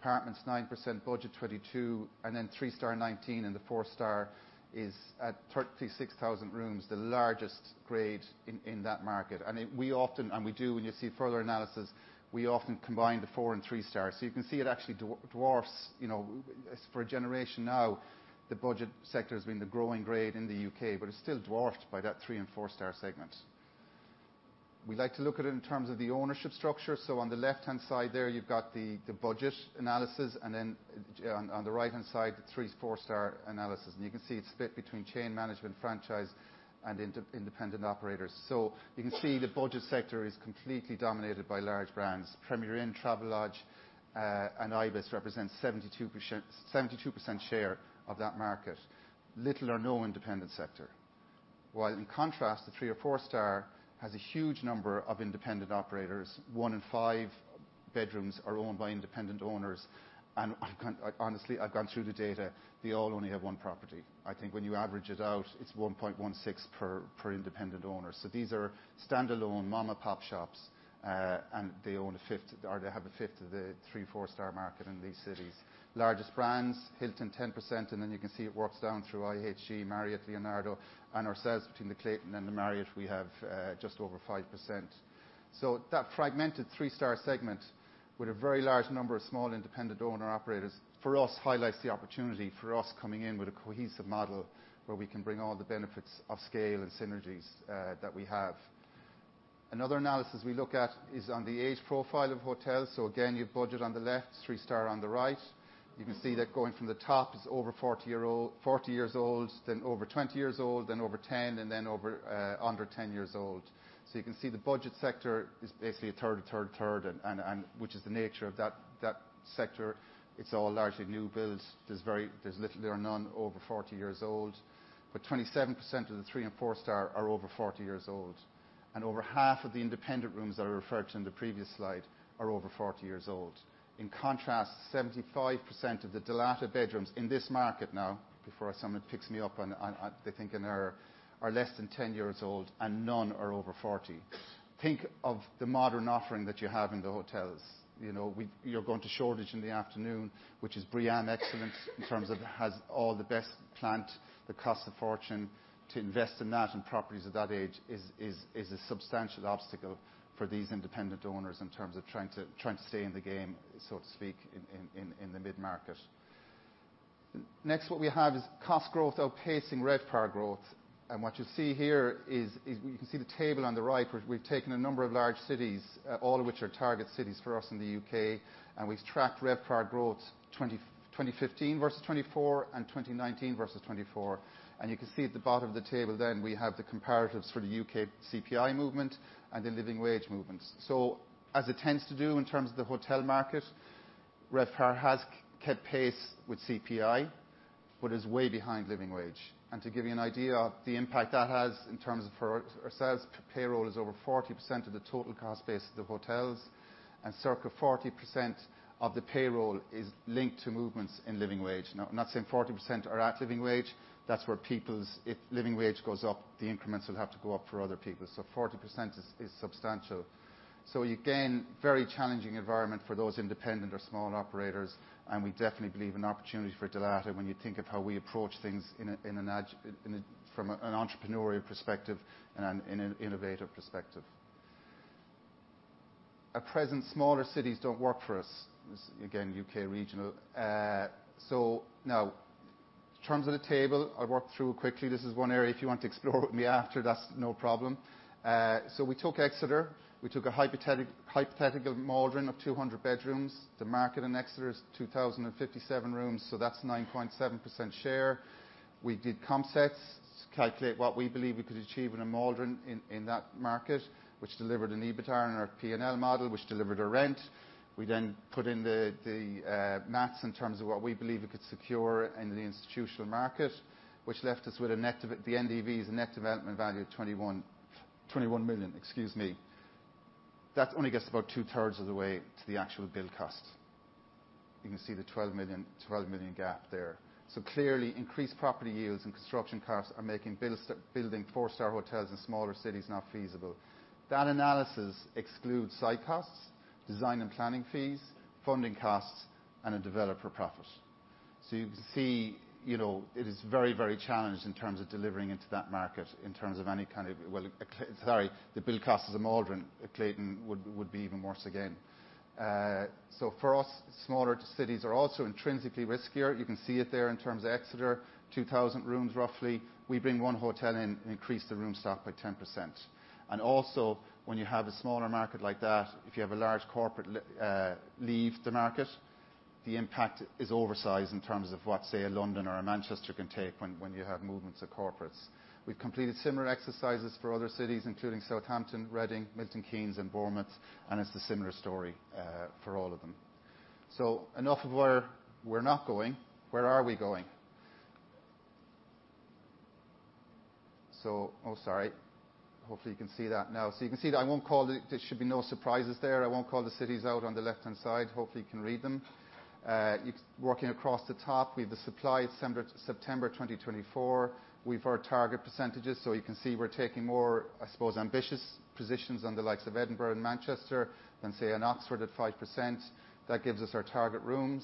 apartments, 9%, budget, 22%, and then three star, 19%, and the four star is at 36,000 rooms, the largest grade in that market. And it, we often, and we do, when you see further analysis, we often combine the four and three stars. You can see it actually dwarfs, you know, for a generation now, the budget sector has been the growing grade in the U.K., but it's still dwarfed by that three and four star segment. We like to look at it in terms of the ownership structure. On the left-hand side there, you've got the budget analysis, and then on the right-hand side, the three- and four-star analysis. And you can see it's split between chain management, franchise, and independent operators. You can see the budget sector is completely dominated by large brands. Premier Inn, Travelodge, and Ibis represent 72% share of that market. Little or no independent sector. While in contrast, the three- or four-star has a huge number of independent operators. One in five bedrooms are owned by independent owners, and I've gone, honestly, through the data. They all only have one property. I think when you average it out, it's 1.16 per independent owner. These are standalone mom-and-pop shops, and they own a fifth, or they have a 1/5 of the three, four-star market in these cities. Largest brands, Hilton, 10%, and then you can see it works down through IHG, Marriott, Leonardo, and ourselves. Between the Clayton and the Maldron, we have just over 5%. That fragmented three-star segment with a very large number of small independent owner operators, for us, highlights the opportunity for us coming in with a cohesive model where we can bring all the benefits of scale and synergies that we have. Another analysis we look at is on the age profile of hotels. Again, you have budget on the left, three star on the right. You can see that going from the top is over 40 year old, 40 years old, then over 20 years old, then over 10, and then under 10 years old. So you can see the budget sector is basically a 1/3, a 1/3, 1/3, and which is the nature of that sector. It's all largely new builds. There's little or none over forty years old, but 27% of the three and four star are over 40 years old, and over1/2 of the independent rooms that I referred to in the previous slide are over 40 years old. In contrast, 75% of the Dalata bedrooms in this market now, before someone picks me up on it. In Ireland, they are less than ten years old and none are over forty. Think of the modern offering that you have in the hotels. You know, you're going to Shoreditch in the afternoon, which is brand excellence, in terms of has all the best plant, that cost a fortune. To invest in that and properties of that age is a substantial obstacle for these independent owners in terms of trying to stay in the game, so to speak, in the mid-market. Next, what we have is cost growth outpacing RevPAR growth. What you see here is you can see the table on the right, we've taken a number of large cities, all of which are target cities for us in the U.K., and we've tracked RevPAR growth, 2015 versus 2024 and 2019 versus 2024. You can see at the bottom of the table then we have the comparatives for the U.K. CPI movement and the living wage movements. As it tends to do in terms of the hotel market, RevPAR has kept pace with CPI, but is way behind living wage. To give you an idea of the impact that has in terms of for our, ourselves, payroll is over 40% of the total cost base of the hotels, and circa 40% of the payroll is linked to movements in living wage. Now, I'm not saying 40% are at living wage. That's where people's, if living wage goes up, the increments will have to go up for other people. So 40% is, is substantial. So again, very challenging environment for those independent or small operators, and we definitely believe an opportunity for Dalata when you think of how we approach things from an entrepreneurial perspective and an innovative perspective. At present, smaller cities don't work for us. Again, U.K. regional. So now, in terms of the table, I'll work through quickly. This is one area if you want to explore with me after, that's no problem. So we took Exeter, we took a hypothetical Maldron of 200 bedrooms. The market in Exeter is 2,057 rooms, so that's 9.7% share. We did comp sets calculate what we believe we could achieve in a Maldron in that market, which delivered an EBITDA on our P&L model, which delivered a rent. We then put in the math in terms of what we believe we could secure in the institutional market, which left us with the NDVs, net development value of 21 million, excuse me. That only gets about 2/3 of the way to the actual build cost. You can see the 12 million gap there. Clearly, increased property yields and construction costs are making building four-star hotels in smaller cities not feasible. That analysis excludes site costs, design and planning fees, funding costs, and a developer profit. So you can see, you know, it is very, very challenged in terms of delivering into that market, the build cost is a Maldron. A Clayton would be even worse again. For us, smaller cities are also intrinsically riskier. You can see it there in terms of Exeter, 2,000 rooms, roughly. We bring one hotel in and increase the room stock by 10%. Also, when you have a smaller market like that, if you have a large corporate leave the market, the impact is oversized in terms of what, say, a London or a Manchester can take when you have movements of corporates. We've completed similar exercises for other cities, including Southampton, Reading, Milton Keynes, and Bournemouth, and it's a similar story for all of them. Enough of where we're not going. Where are we going? Hopefully, you can see that now. So you can see that I won't call it. There should be no surprises there. I won't call the cities out on the left-hand side. Hopefully, you can read them. You're working across the top. We have the supply, September 2024. We've our target percentages, so you can see we're taking more, I suppose, ambitious positions on the likes of Edinburgh and Manchester than, say, in Oxford, at 5%. That gives us our target rooms.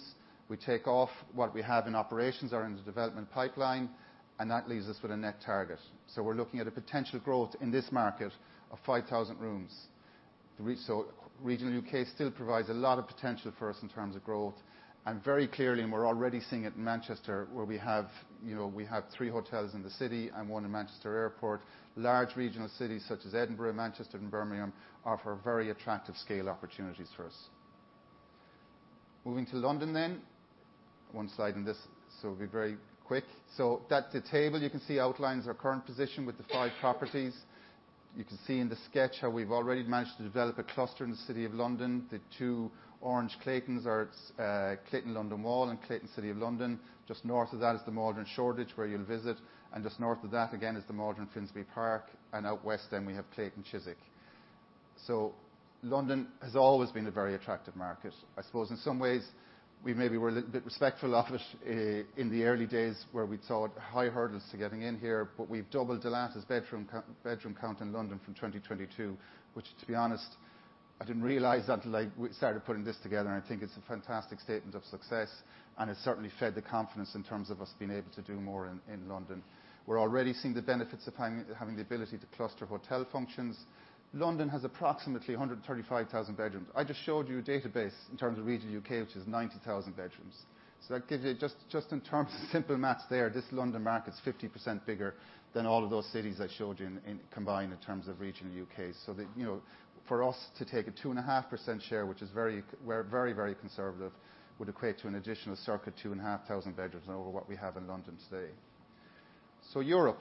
We take off what we have in operations or in the development pipeline, and that leaves us with a net target. So we're looking at a potential growth in this market of 5,000 rooms. Regional U.K. still provides a lot of potential for us in terms of growth. And very clearly, we're already seeing it in Manchester, where we have, you know, we have three hotels in the city and one in Manchester Airport. Large regional cities such as Edinburgh, Manchester, and Birmingham offer very attractive scale opportunities for us. Moving to London then. One slide in this, so we'll be very quick. So that, the table, you can see, outlines our current position with the five properties. You can see in the sketch how we've already managed to develop a cluster in the City of London. The two orange Claytons are Clayton London Wall and Clayton City of London. Just north of that is the Maldron Shoreditch, where you'll visit, and just north of that again is the Maldron Finsbury Park, and out west, then, we have Clayton Chiswick. So London has always been a very attractive market. I suppose in some ways, we maybe were a little bit respectful of it in the early days, where we saw high hurdles to getting in here, but we've doubled Dalata's bedroom count in London from 2022, which, to be honest, I didn't realize until we started putting this together, and I think it's a fantastic statement of success, and it certainly fed the confidence in terms of us being able to do more in London. We're already seeing the benefits of having the ability to cluster hotel functions. London has approximately 135,000 bedrooms. I just showed you a database in terms of Regional U.K., which is 90,000 bedrooms. So that gives you just in terms of simple math there, this London market is 50% bigger than all of those cities I showed you in combined in terms of Regional U.K.. So that, you know, for us to take a 2.5% share, which is very conservative, would equate to an additional circa 2,500 bedrooms over what we have in London today. Europe.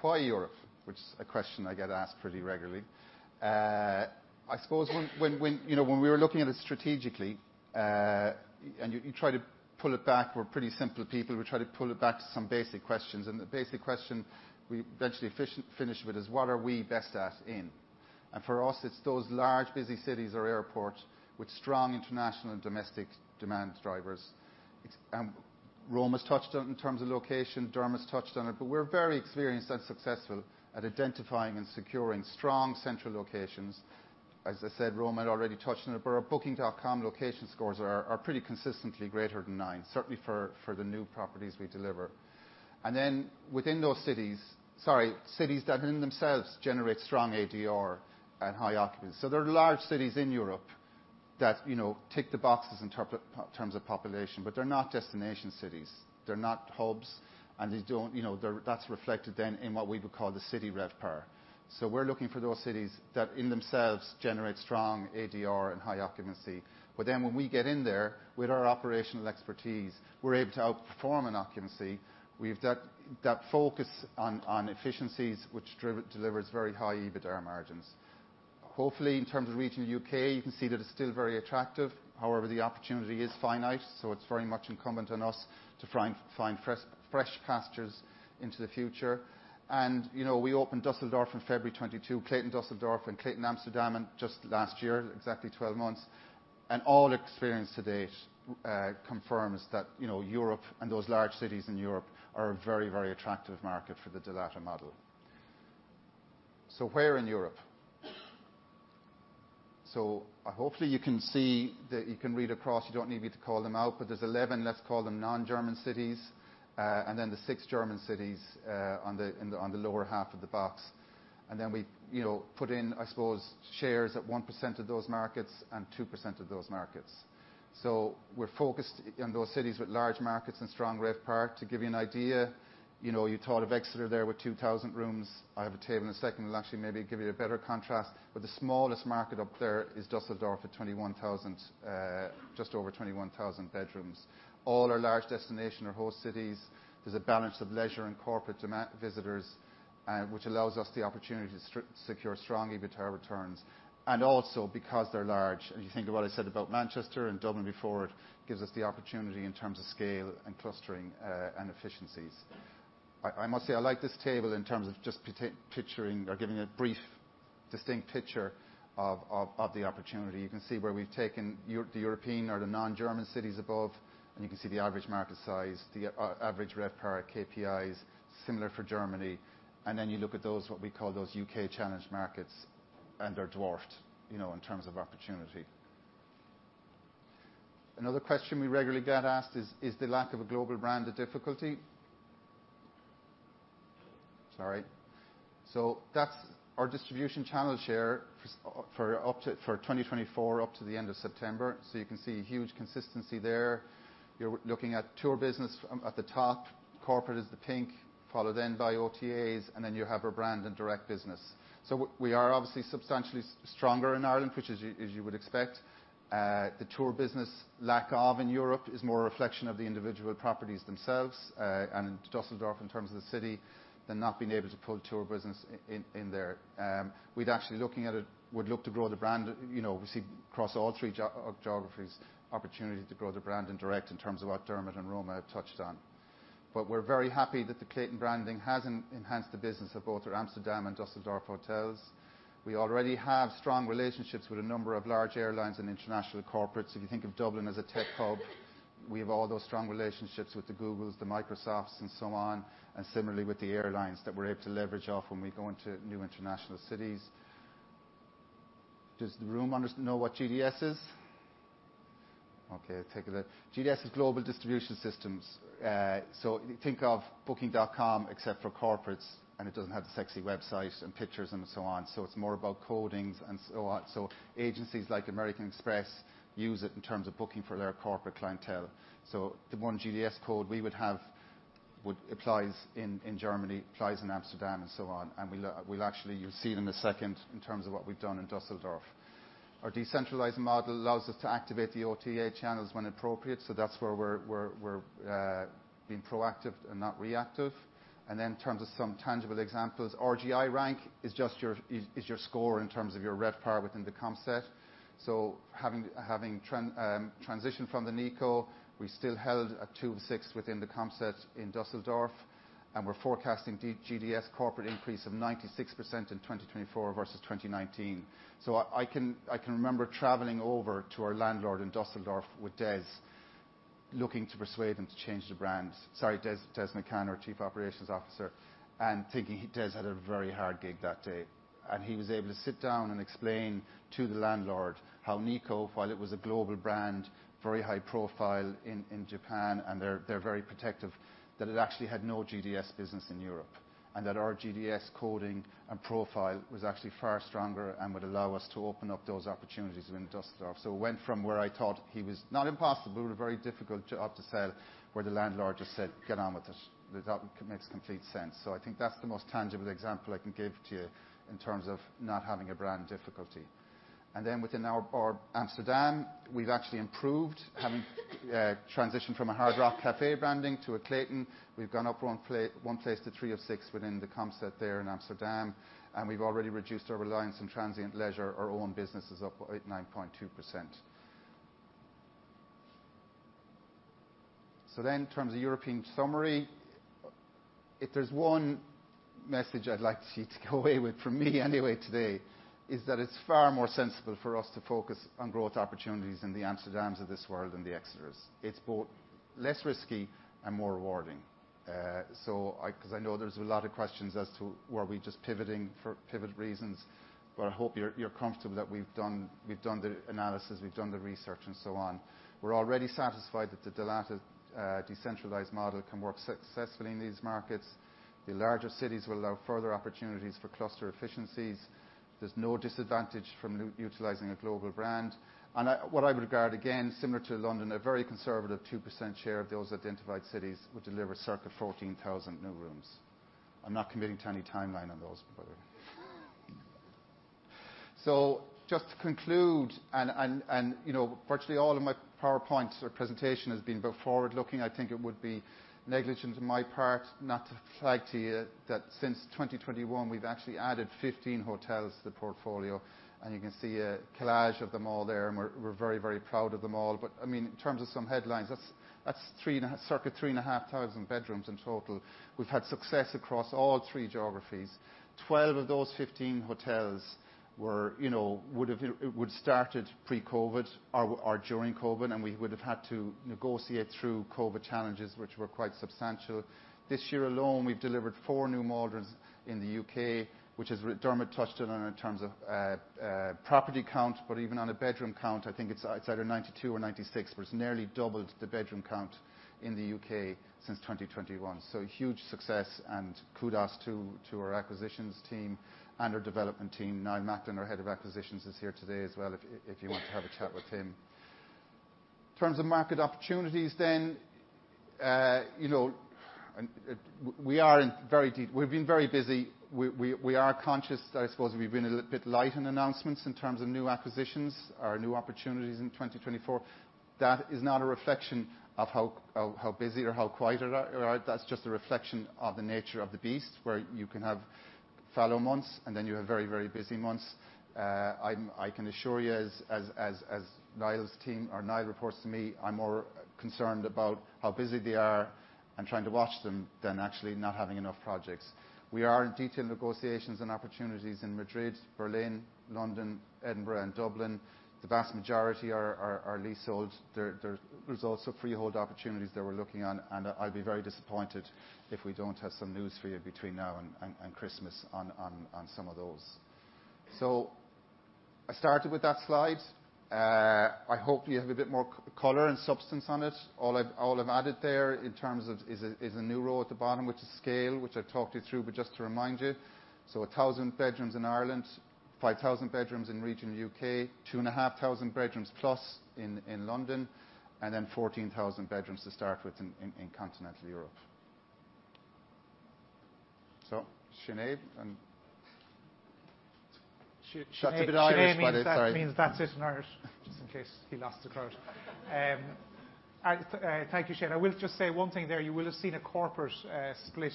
Why Europe? Which is a question I get asked pretty regularly. I suppose when you know, when we were looking at it strategically, and you try to pull it back, we're pretty simple people, we try to pull it back to some basic questions. The basic question we eventually finish with is: What are we best at in? And for us, it's those large, busy cities or airports with strong international and domestic demand drivers. It's, and Roma's touched on in terms of location, Dermot's touched on it, but we're very experienced and successful at identifying and securing strong central locations. As I said, Roma had already touched on it, but our Booking.com location scores are pretty consistently greater than nine, certainly for the new properties we deliver. And then within those cities... Sorry, cities that in themselves generate strong ADR and high occupancy. So there are large cities in Europe that, you know, tick the boxes in terms of population, but they're not destination cities, they're not hubs, and they don't, you know, they're, that's reflected then in what we would call the city RevPAR. So we're looking for those cities that in themselves generate strong ADR and high occupancy. But then when we get in there, with our operational expertise, we're able to outperform in occupancy. We've that focus on efficiencies, which delivers very high EBITDA margins. Hopefully, in terms of regional U.K., you can see that it's still very attractive. However, the opportunity is finite, so it's very much incumbent on us to find fresh pastures into the future. And, you know, we opened Düsseldorf in February 2022, Clayton Düsseldorf and Clayton Amsterdam in just last year, exactly 12 months. And all experience to date confirms that, you know, Europe and those large cities in Europe are a very, very attractive market for the Dalata model. So where in Europe? So hopefully, you can see that, you can read across, you don't need me to call them out, but there's 11, let's call them, non-German cities, and then the six German cities on the lower half of the box, and then we, you know, put in, I suppose, shares at 1% of those markets and 2% of those markets. We're focused on those cities with large markets and strong RevPAR. To give you an idea. You know, you thought of Exeter there with 2,000 rooms. I have a table in a second that'll actually maybe give you a better contrast, but the smallest market up there is Düsseldorf at 21,000, just over 21,000 bedrooms. All are large destination or host cities. There's a balance of leisure and corporate demand, visitors, which allows us the opportunity to secure strong EBITDA returns, and also because they're large. If you think of what I said about Manchester and Dublin before, it gives us the opportunity in terms of scale and clustering, and efficiencies. I must say, I like this table in terms of just picturing or giving a brief, distinct picture of the opportunity. You can see where we've taken the European or the non-German cities above, and you can see the average market size, the average RevPAR, KPIs, similar for Germany. Then you look at those, what we call those U.K. challenged markets, and they're dwarfed, you know, in terms of opportunity. Another question we regularly get asked is: Is the lack of a global brand a difficulty? Sorry. So that's our distribution channel share for 2024 up to the end of September. So you can see huge consistency there. You're looking at tour business at the top, corporate is the pink, followed then by OTAs, and then you have our brand and direct business. So we are obviously substantially stronger in Ireland, which is, as you would expect. The tour business, lack of in Europe, is more a reflection of the individual properties themselves, and Düsseldorf, in terms of the city, than not being able to pull tour business in there. We'd actually, looking at it, would look to grow the brand. You know, we see across all three geographies, opportunities to grow the brand and direct in terms of what Dermot and Roma have touched on. But we're very happy that the Clayton branding has enhanced the business of both our Amsterdam and Düsseldorf hotels. We already have strong relationships with a number of large airlines and international corporates. If you think of Dublin as a tech hub, we have all those strong relationships with the Googles, the Microsofts, and so on, and similarly with the airlines that we're able to leverage off when we go into new international cities. Does the room know what GDS is? Okay, take it that GDS is Global Distribution Systems. So think of Booking.com, except for corporates, and it doesn't have the sexy website and pictures and so on. So it's more about codings and so on. So agencies like American Express use it in terms of booking for their corporate clientele. So the one GDS code we would have would apply in Germany, applies in Amsterdam, and so on. And we'll actually, you'll see it in a second in terms of what we've done in Düsseldorf. Our decentralized model allows us to activate the OTA channels when appropriate, so that's where we're being proactive and not reactive. And then in terms of some tangible examples, RGI rank is just your score in terms of your RevPAR within the comp set. So having transitioned from the Nikko, we still held a two of six within the comp set in Düsseldorf, and we're forecasting GDS corporate increase of 96% in 2024 versus 2019. So I can remember traveling over to our landlord in Düsseldorf with Des, looking to persuade him to change the brand. Sorry, Des, Des McCann, Chief Operations Officer, and thinking Des had a very hard gig that day. He was able to sit down and explain to the landlord how Nikko, while it was a global brand, very high profile in Japan, and they're very protective, that it actually had no GDS business in Europe, and that our GDS coding and profile was actually far stronger and would allow us to open up those opportunities in Düsseldorf. It went from where I thought he was, not impossible, but a very difficult job to sell, where the landlord just said, "Get on with it." That makes complete sense. I think that's the most tangible example I can give to you in terms of not having a brand difficulty. Then within our Amsterdam, we've actually improved, having transitioned from a Hard Rock Hotel branding to a Clayton. We've gone up one place to three of six within the comp set there in Amsterdam, and we've already reduced our reliance on transient leisure. Our own business is up 8.9%. So then, in terms of European summary, if there's one message I'd like you to take away with, from me anyway today, is that it's far more sensible for us to focus on growth opportunities in the Amsterdams of this world than the Exeters. It's both less risky and more rewarding. So, because I know there's a lot of questions as to, were we just pivoting for pivot reasons, but I hope you're comfortable that we've done the analysis, we've done the research, and so on. We're already satisfied that the Dalata decentralized model can work successfully in these markets. The larger cities will allow further opportunities for cluster efficiencies. There's no disadvantage from utilizing a global brand, and at what I regard, again, similar to London, a very conservative 2% share of those identified cities would deliver circa 14,000 new rooms. I'm not committing to any timeline on those, by the way. Just to conclude, you know, virtually all of my PowerPoints or presentation has been about forward-looking. I think it would be negligent on my part not to flag to you that since 2021, we've actually added 15 hotels to the portfolio, and you can see a collage of them all there, and we're very, very proud of them all. But, I mean, in terms of some headlines, that's three and a, circa three and a half thousand bedrooms in total. We've had success across all three geographies. Twelve of those fifteen hotels were, you know, would have been started pre-COVID or during COVID, and we would have had to negotiate through COVID challenges, which were quite substantial. This year alone, we've delivered four new models in the U.K., which is, Dermot touched on in terms of property count, but even on a bedroom count, I think it's either 92 or 96, but it's nearly doubled the bedroom count in the U.K. since 2021. So huge success and kudos to our acquisitions team and our development team. Niall Macklin, our head of acquisitions, is here today as well, if you want to have a chat with him. In terms of market opportunities, then, you know, we are in very deep. We've been very busy. We are conscious that I suppose we've been a little bit light on announcements in terms of new acquisitions or new opportunities in 2024. That is not a reflection of how busy or how quiet we are. That's just a reflection of the nature of the beast, where you can have fallow months and then you have very, very busy months. I can assure you, as Niall's team or Niall reports to me, I'm more concerned about how busy they are and trying to watch them than actually not having enough projects. We are in detailed negotiations and opportunities in Madrid, Berlin, London, Edinburgh and Dublin. The vast majority are leasehold. There, there's also freehold opportunities that we're looking on, and I'd be very disappointed if we don't have some news for you between now and Christmas on some of those. So I started with that slide. I hope you have a bit more color and substance on it. All I've added there in terms of is a new row at the bottom, which I talked you through. But just to remind you, so a 1000 in Ireland, 5000 bedrooms in regional U.K., 2500+ bedrooms in London, and then 14,000 bedrooms to start with in continental Europe. So Sinead, Sinead means that, means that's it in Irish, just in case he lost the crowd. I thank you, Shane. I will just say one thing there. You will have seen a corporate split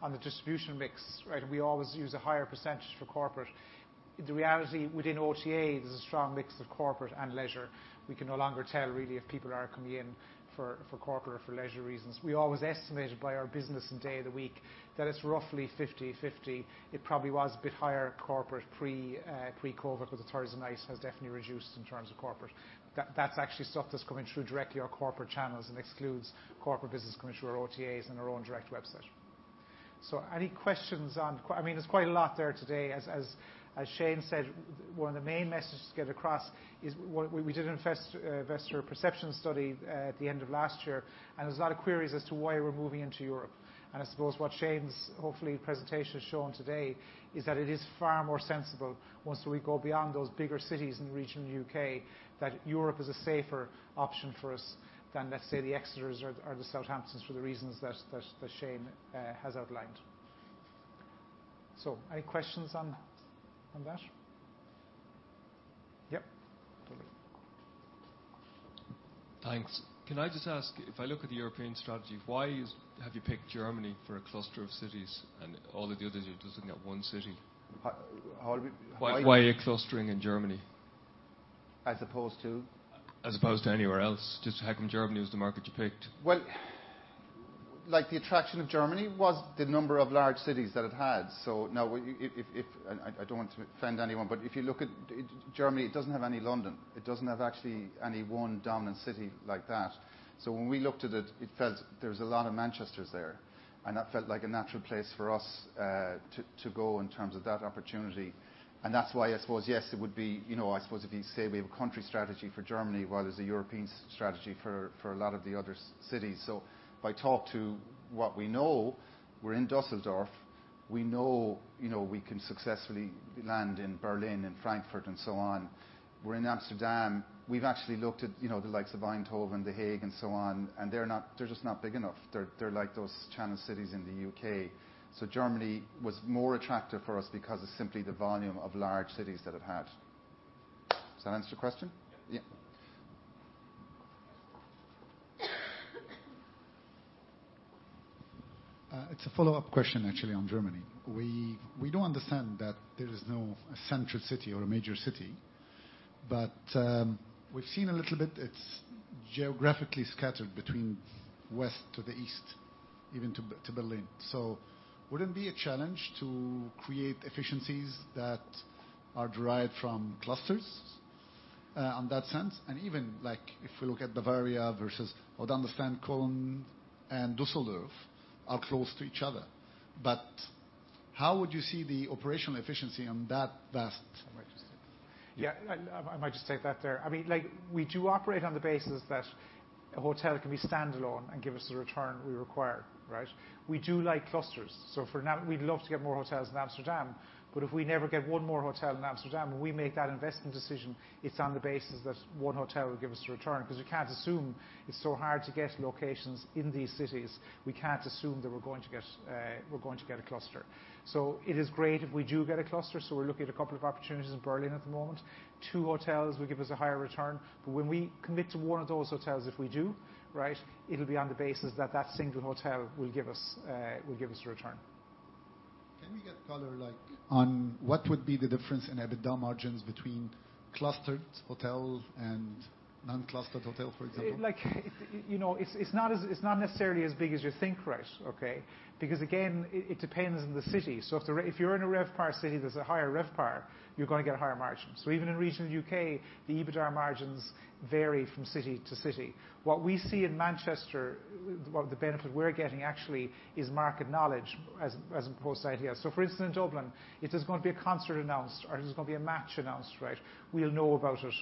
on the distribution mix, right? And we always use a higher percentage for corporate. The reality within OTA, there's a strong mix of corporate and leisure. We can no longer tell really if people are coming in for corporate or for leisure reasons. We always estimated by our business and day of the week that it's roughly fifty/fifty. It probably was a bit higher corporate pre-COVID, because the tourism ICE has definitely reduced in terms of corporate. That's actually stuff that's coming through directly our corporate channels and excludes corporate business coming through our OTAs and our own direct website. So any questions on... I mean, there's quite a lot there today. As Shane said, one of the main messages to get across is we did an investor perception study at the end of last year, and there's a lot of queries as to why we're moving into Europe. And I suppose what Shane's, hopefully, presentation has shown today is that it is far more sensible, once we go beyond those bigger cities in the region of the U.K., that Europe is a safer option for us than, let's say, the Exeters or the Southamptons, for the reasons that Shane has outlined. So any questions on that? Yep. Thanks. Can I just ask, if I look at the European strategy, why is, have you picked Germany for a cluster of cities and all of the others, you're just looking at one city? How do we- Why are you clustering in Germany? As opposed to? As opposed to anywhere else, just how come Germany was the market you picked? Like, the attraction of Germany was the number of large cities that it had. So now, if and I don't want to offend anyone, but if you look at Germany, it doesn't have any London. It doesn't have actually any one dominant city like that. So when we looked at it, it felt there was a lot of Manchesters there, and that felt like a natural place for us to go in terms of that opportunity. And that's why I suppose, yes, it would be, you know, I suppose if you say we have a country strategy for Germany, while there's a European strategy for a lot of the other cities. So if I talk to what we know, we're in Düsseldorf, we know, you know, we can successfully land in Berlin and Frankfurt and so on. We're in Amsterdam. We've actually looked at, you know, the likes of Eindhoven, The Hague and so on, and they're not, they're just not big enough. They're, they're like those channel cities in the U.K.. So Germany was more attractive for us because of simply the volume of large cities that it had. Does that answer your question? Yeah. Yeah. It's a follow-up question, actually, on Germany. We do understand that there is no central city or a major city, but we've seen a little bit, it's geographically scattered between west to the east, even to Berlin. So would it be a challenge to create efficiencies that are derived from clusters, on that sense? And even, like, if we look at Bavaria versus, I would understand Cologne and Düsseldorf are close to each other, but how would you see the operational efficiency on that vast- Yeah, I might just take that there. I mean, like, we do operate on the basis that a hotel can be standalone and give us the return we require, right? We do like clusters, so for now, we'd love to get more hotels in Amsterdam, but if we never get one more hotel in Amsterdam, when we make that investment decision, it's on the basis that one hotel will give us a return, because we can't assume it's so hard to get locations in these cities. We can't assume that we're going to get a cluster. So it is great if we do get a cluster, so we're looking at a couple of opportunities in Berlin at the moment. Two hotels will give us a higher return, but when we commit to one of those hotels, if we do, right, it'll be on the basis that the single hotel will give us a return. ... Can we get color, like, on what would be the difference in EBITDA margins between clustered hotels and non-clustered hotels, for example? Like, you know, it's not necessarily as big as you think, right, okay? Because, again, it depends on the city. So if you're in a RevPAR city, there's a higher RevPAR, you're going to get a higher margin. So even in regional U.K., the EBITDA margins vary from city to city. What we see in Manchester, well, the benefit we're getting actually is market knowledge as opposed to ideas. So for instance, in Dublin, if there's going to be a concert announced or there's going to be a match announced, right, we'll know about it.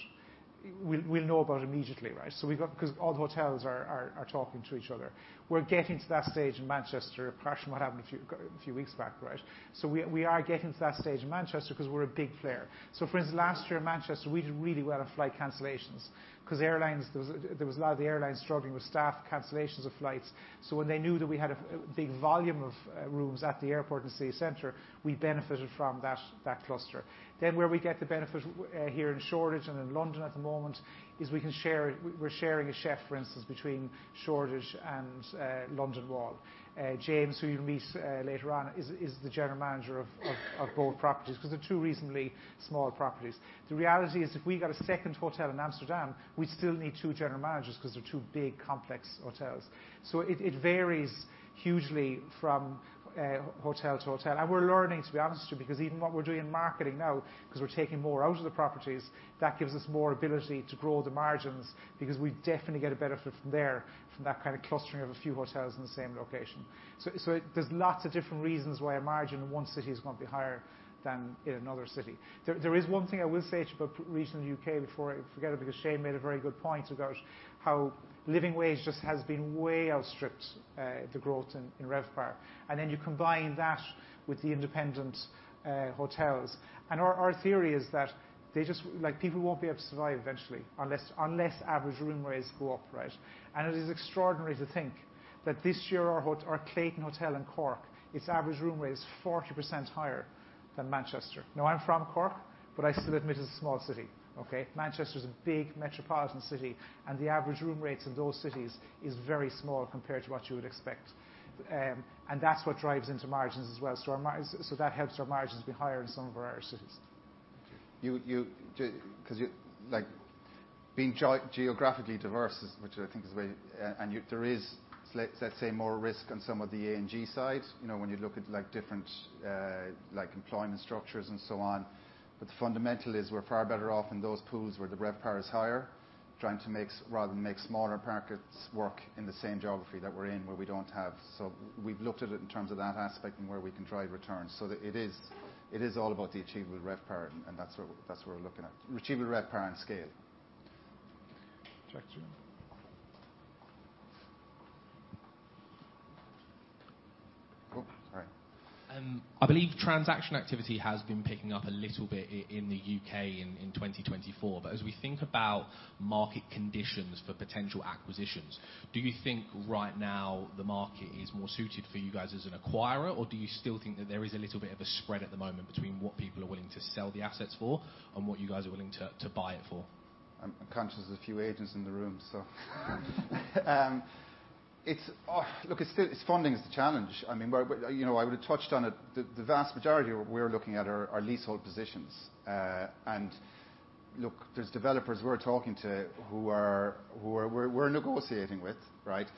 We'll know about it immediately, right? So we've got because all the hotels are talking to each other. We're getting to that stage in Manchester, apart from what happened a few weeks back, right? So we are getting to that stage in Manchester because we're a big player. So for instance, last year in Manchester, we did really well on flight cancellations because airlines, there was a lot of the airlines struggling with staff cancellations of flights. So when they knew that we had a big volume of rooms at the airport and city center, we benefited from that cluster. Then, where we get the benefit here in Shoreditch and in London at the moment, is we can share, we're sharing a chef, for instance, between Shoreditch and London Wall. James, who you'll meet later on, is the general manager of both properties, because they're two reasonably small properties. The reality is, if we got a second hotel in Amsterdam, we'd still need two general managers because they're two big, complex hotels. So it varies hugely from hotel to hotel, and we're learning, to be honest with you, because even what we're doing in marketing now, because we're taking more out of the properties, that gives us more ability to grow the margins, because we definitely get a benefit from there, from that kind of clustering of a few hotels in the same location. So there's lots of different reasons why a margin in one city is going to be higher than in another city. There is one thing I will say to you about regional U.K. before I forget it, because Shane made a very good point about how living wage just has been way outstripped the growth in RevPAR. And then you combine that with the independent hotels, and our theory is that they just... Like, people won't be able to survive eventually, unless average room rates go up, right? And it is extraordinary to think that this year, our Clayton Hotel in Cork, its average room rate is 40% higher than Manchester. Now, I'm from Cork, but I still admit it's a small city, okay? Manchester is a big metropolitan city, and the average room rates in those cities is very small compared to what you would expect. And that's what drives into margins as well. So that helps our margins be higher in some of our other cities. You do, because you like being geographically diverse, which I think is very, and there is, let's say, more risk on some of the A&G side. You know, when you look at, like, different, like, employment structures and so on. But the fundamental is we're far better off in those pools where the RevPAR is higher, trying to make rather than make smaller markets work in the same geography that we're in, where we don't have. So we've looked at it in terms of that aspect and where we can drive returns. It is all about the achievable RevPAR, and that's what we're looking at. Achievable RevPAR and scale. Check two. Oh, sorry. I believe transaction activity has been picking up a little bit in the U.K. in 2024. But as we think about market conditions for potential acquisitions, do you think right now the market is more suited for you guys as an acquirer, or do you still think that there is a little bit of a spread at the moment between what people are willing to sell the assets for and what you guys are willing to buy it for? I'm conscious there's a few agents in the room, so, oh, look, it's still funding is the challenge. I mean, we're, you know, I would have touched on it. The vast majority we're looking at are leasehold positions. And look, there's developers we're talking to who we're negotiating with, right,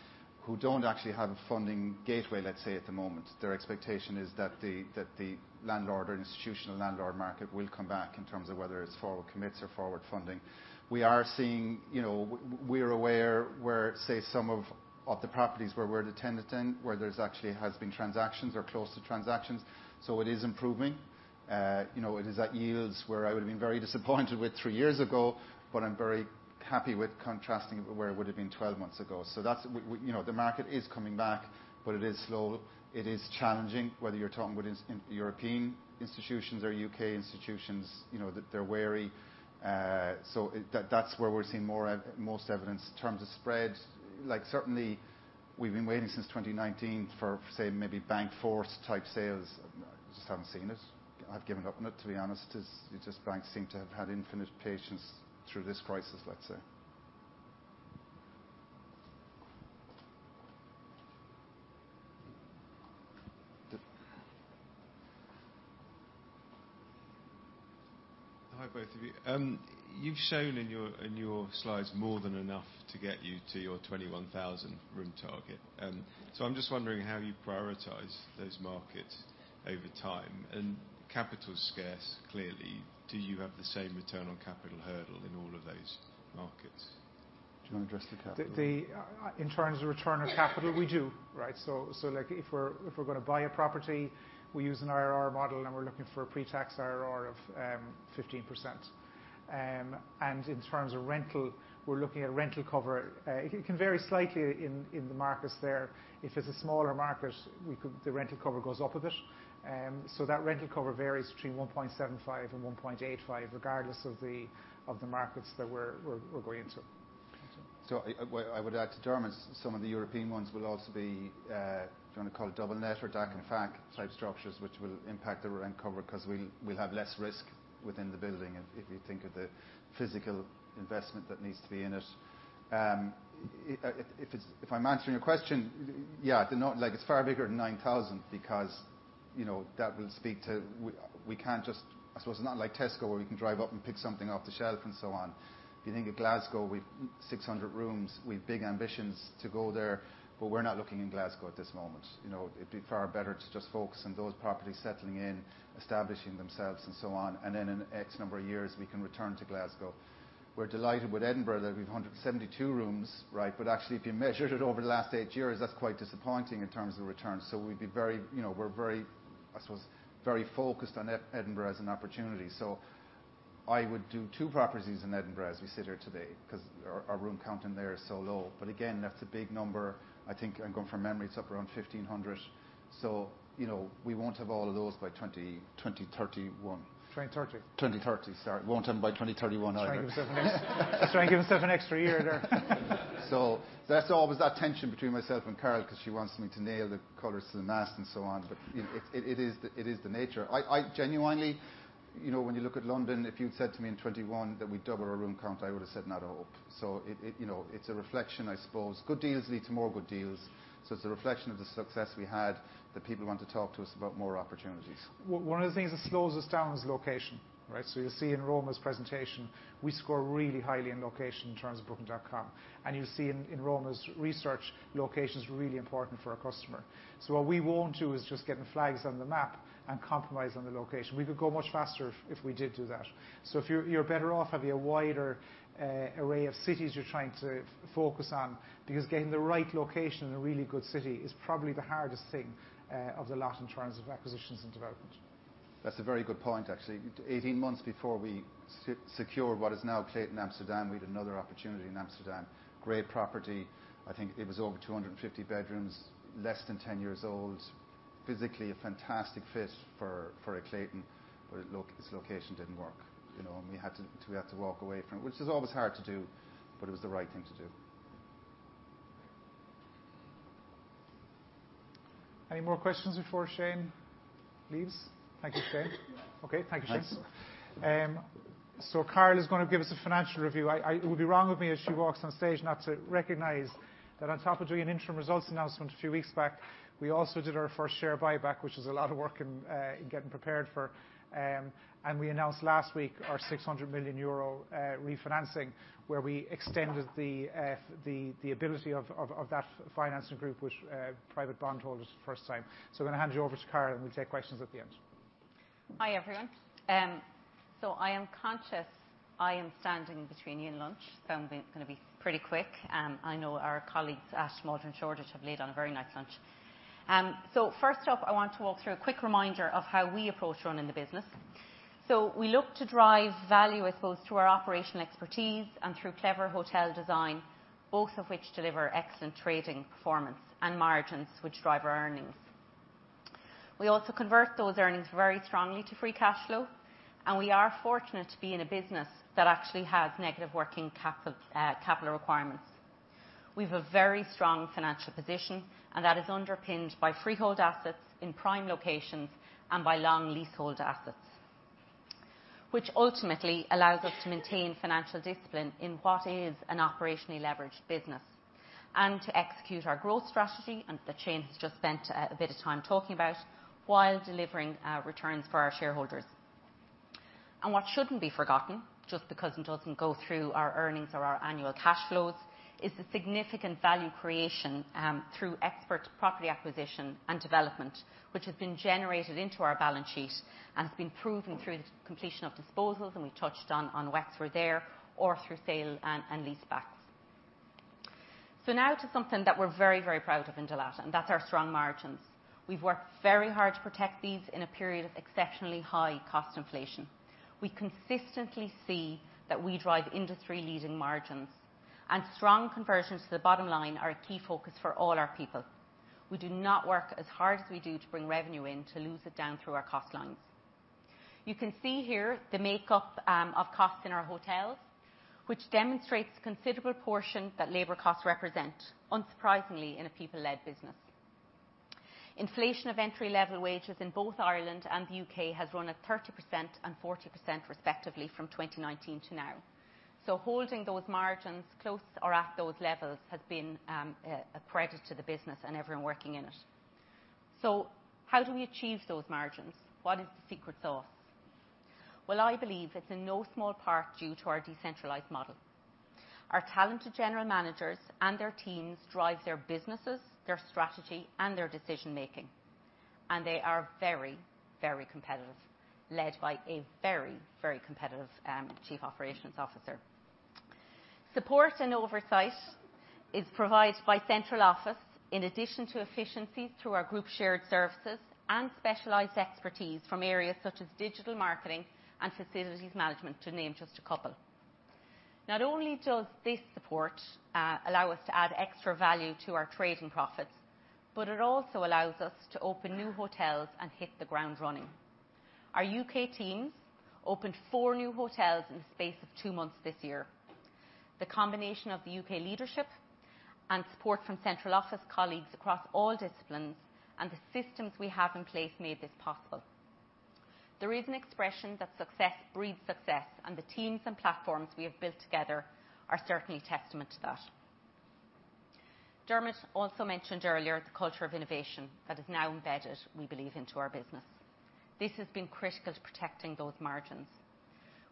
who don't actually have a funding gateway, let's say, at the moment. Their expectation is that the landlord or institutional landlord market will come back in terms of whether it's forward commits or forward funding. We are seeing, you know, we are aware where, say, some of the properties where we're the tenant in, where there's actually has been transactions or close to transactions, so it is improving. You know, it is at yields where I would have been very disappointed with three years ago, but I'm very happy with contrasting where it would have been 12 months ago. So that's, you know, the market is coming back, but it is slow. It is challenging, whether you're talking with institutional European institutions or U.K. institutions, you know, that they're wary. So that's where we're seeing more most evidence. In terms of spread, like, certainly, we've been waiting since 2019 for, say, maybe bank foreclosure type sales. Just haven't seen it. I've given up on it, to be honest. It's just, banks seem to have had infinite patience through this crisis, let's say. Hi, both of you. You've shown in your, in your slides more than enough to get you to your 21,000 room target. So I'm just wondering how you prioritize those markets over time, and capital's scarce, clearly. Do you have the same return on capital hurdle in all of those markets? Do you want to address the capital? In terms of return on capital, we do, right? So, like, if we're going to buy a property, we use an IRR model, and we're looking for a pre-tax IRR of 15%. In terms of rental, we're looking at rental cover. It can vary slightly in the markets there. If it's a smaller market, the rental cover goes up a bit. So that rental cover varies between 1.75 and 1.85, regardless of the markets that we're going into. What I would add to Dermot, some of the European ones will also be, if you want to call it double net or Dach und Fach type structures, which will impact the rent cover, because we'll have less risk within the building, if you think of the physical investment that needs to be in it. If it's, if I'm answering your question, yeah, the like, it's far bigger than nine thousand because you know, that will speak to we can't just, I suppose, it's not like Tesco, where you can drive up and pick something off the shelf, and so on. If you think of Glasgow, we've six hundred rooms. We've big ambitions to go there, but we're not looking in Glasgow at this moment. You know, it'd be far better to just focus on those properties settling in, establishing themselves, and so on, and then in X number of years, we can return to Glasgow. We're delighted with Edinburgh, that we've one hundred and seventy-two rooms, right? But actually, if you measured it over the last eight years, that's quite disappointing in terms of the returns. So we'd be very, you know, we're very, I suppose, very focused on Edinburgh as an opportunity. So I would do two properties in Edinburgh, as we sit here today, because our room count in there is so low. But again, that's a big number. I think, I'm going from memory, it's up around 1,500. So, you know, we won't have all of those by 2020-2031. 2030. 2030, sorry. Won't have them by 2031, I know. Trying to give himself an extra year there. That's always that tension between myself and Carol, because she wants me to nail the colors to the mast, and so on. But it is the nature. I genuinely, you know, when you look at London, if you'd said to me in 2021 that we'd double our room count, I would've said, "Not at all." So it, you know, it's a reflection, I suppose. Good deals lead to more good deals, so it's a reflection of the success we had, that people want to talk to us about more opportunities. One of the things that slows us down is location, right? You'll see in Roma's presentation, we score really highly in location in terms of Booking.com, and you'll see in Roma's research, location's really important for our customer. What we won't do is just get the flags on the map and compromise on the location. We could go much faster if we did do that. You're better off having a wider array of cities you're trying to focus on, because getting the right location in a really good city is probably the hardest thing of the lot in terms of acquisitions and development. That's a very good point, actually. 18 months before we secure what is now Clayton Amsterdam, we had another opportunity in Amsterdam. Great property, I think it was over 250 bedrooms, less than 10 years old. Physically, a fantastic fit for a Clayton, but its location didn't work, you know, and we had to, we had to walk away from it, which is always hard to do, but it was the right thing to do. Any more questions before Shane leaves? Thank you, Shane. Okay, thank you, Shane. Thanks. So Carol is gonna give us a financial review. It would be wrong of me, as she walks on stage, not to recognize that on top of doing an interim results announcement a few weeks back, we also did our first share buyback, which is a lot of work in getting prepared for, and we announced last week our 600 million euro refinancing, where we extended the ability of that financing group, which private bondholders, first time. So I'm gonna hand you over to Carol, and we'll take questions at the end. Hi, everyone. I am conscious, I am standing between you and lunch, so I'm gonna be pretty quick. I know our colleagues at Maldron Shoreditch have laid on a very nice lunch. First off, I want to walk through a quick reminder of how we approach running the business. We look to drive value, I suppose, through our operational expertise and through clever hotel design, both of which deliver excellent trading performance and margins, which drive our earnings. We also convert those earnings very strongly to free cash flow, and we are fortunate to be in a business that actually has negative working capital requirements. We've a very strong financial position, and that is underpinned by freehold assets in prime locations and by long leasehold assets, which ultimately allows us to maintain financial discipline in what is an operationally leveraged business, and to execute our growth strategy, and that Shane has just spent a bit of time talking about, while delivering returns for our shareholders, and what shouldn't be forgotten, just because it doesn't go through our earnings or our annual cash flows, is the significant value creation through expert property acquisition and development, which has been generated into our balance sheet and has been proven through the completion of disposals, and we've touched on Wexford there, or through sale and leasebacks, so now to something that we're very, very proud of in Dalata, and that's our strong margins. We've worked very hard to protect these in a period of exceptionally high cost inflation. We consistently see that we drive industry-leading margins, and strong conversions to the bottom line are a key focus for all our people. We do not work as hard as we do to bring revenue in, to lose it down through our cost lines. You can see here the makeup of costs in our hotels, which demonstrates the considerable portion that labor costs represent, unsurprisingly, in a people-led business. Inflation of entry-level wages in both Ireland and the U.K. has run at 30% and 40% respectively from 2019 to now. Holding those margins close or at those levels has been a credit to the business and everyone working in it. How do we achieve those margins? What is the secret sauce? I believe it's in no small part due to our decentralized model. Our talented general managers and their teams drive their businesses, their strategy, and their decision-making, and they are very, very competitive, led by a very, very competitive chief operations officer. Support and oversight is provided by central office, in addition to efficiencies through our group shared services and specialized expertise from areas such as digital marketing and facilities management, to name just a couple. Not only does this support allow us to add extra value to our trading profits, but it also allows us to open new hotels and hit the ground running. Our U.K. teams opened four new hotels in the space of two months this year. The combination of the U.K. leadership and support from central office colleagues across all disciplines, and the systems we have in place, made this possible. There is an expression that success breeds success, and the teams and platforms we have built together are certainly testament to that. Dermot also mentioned earlier the culture of innovation that is now embedded, we believe, into our business. This has been critical to protecting those margins.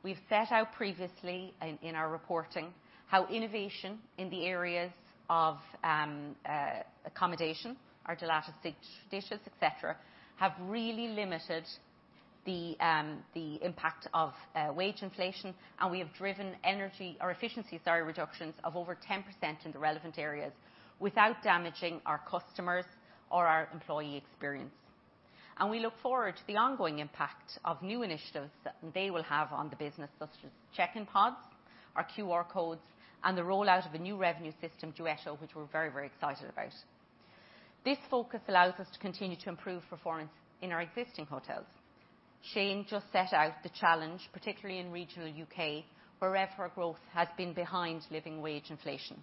We've set out previously in our reporting, how innovation in the areas of accommodation, our Dalata dishes, et cetera, have really limited the impact of wage inflation, and we have driven efficiency, sorry, reductions of over 10% in the relevant areas, without damaging our customers or our employee experience, and we look forward to the ongoing impact of new initiatives that they will have on the business, such as check-in pods, our QR codes, and the rollout of a new revenue system, Duetto, which we're very, very excited about. This focus allows us to continue to improve performance in our existing hotels. Shane just set out the challenge, particularly in regional U.K., where RevPAR growth has been behind living wage inflation.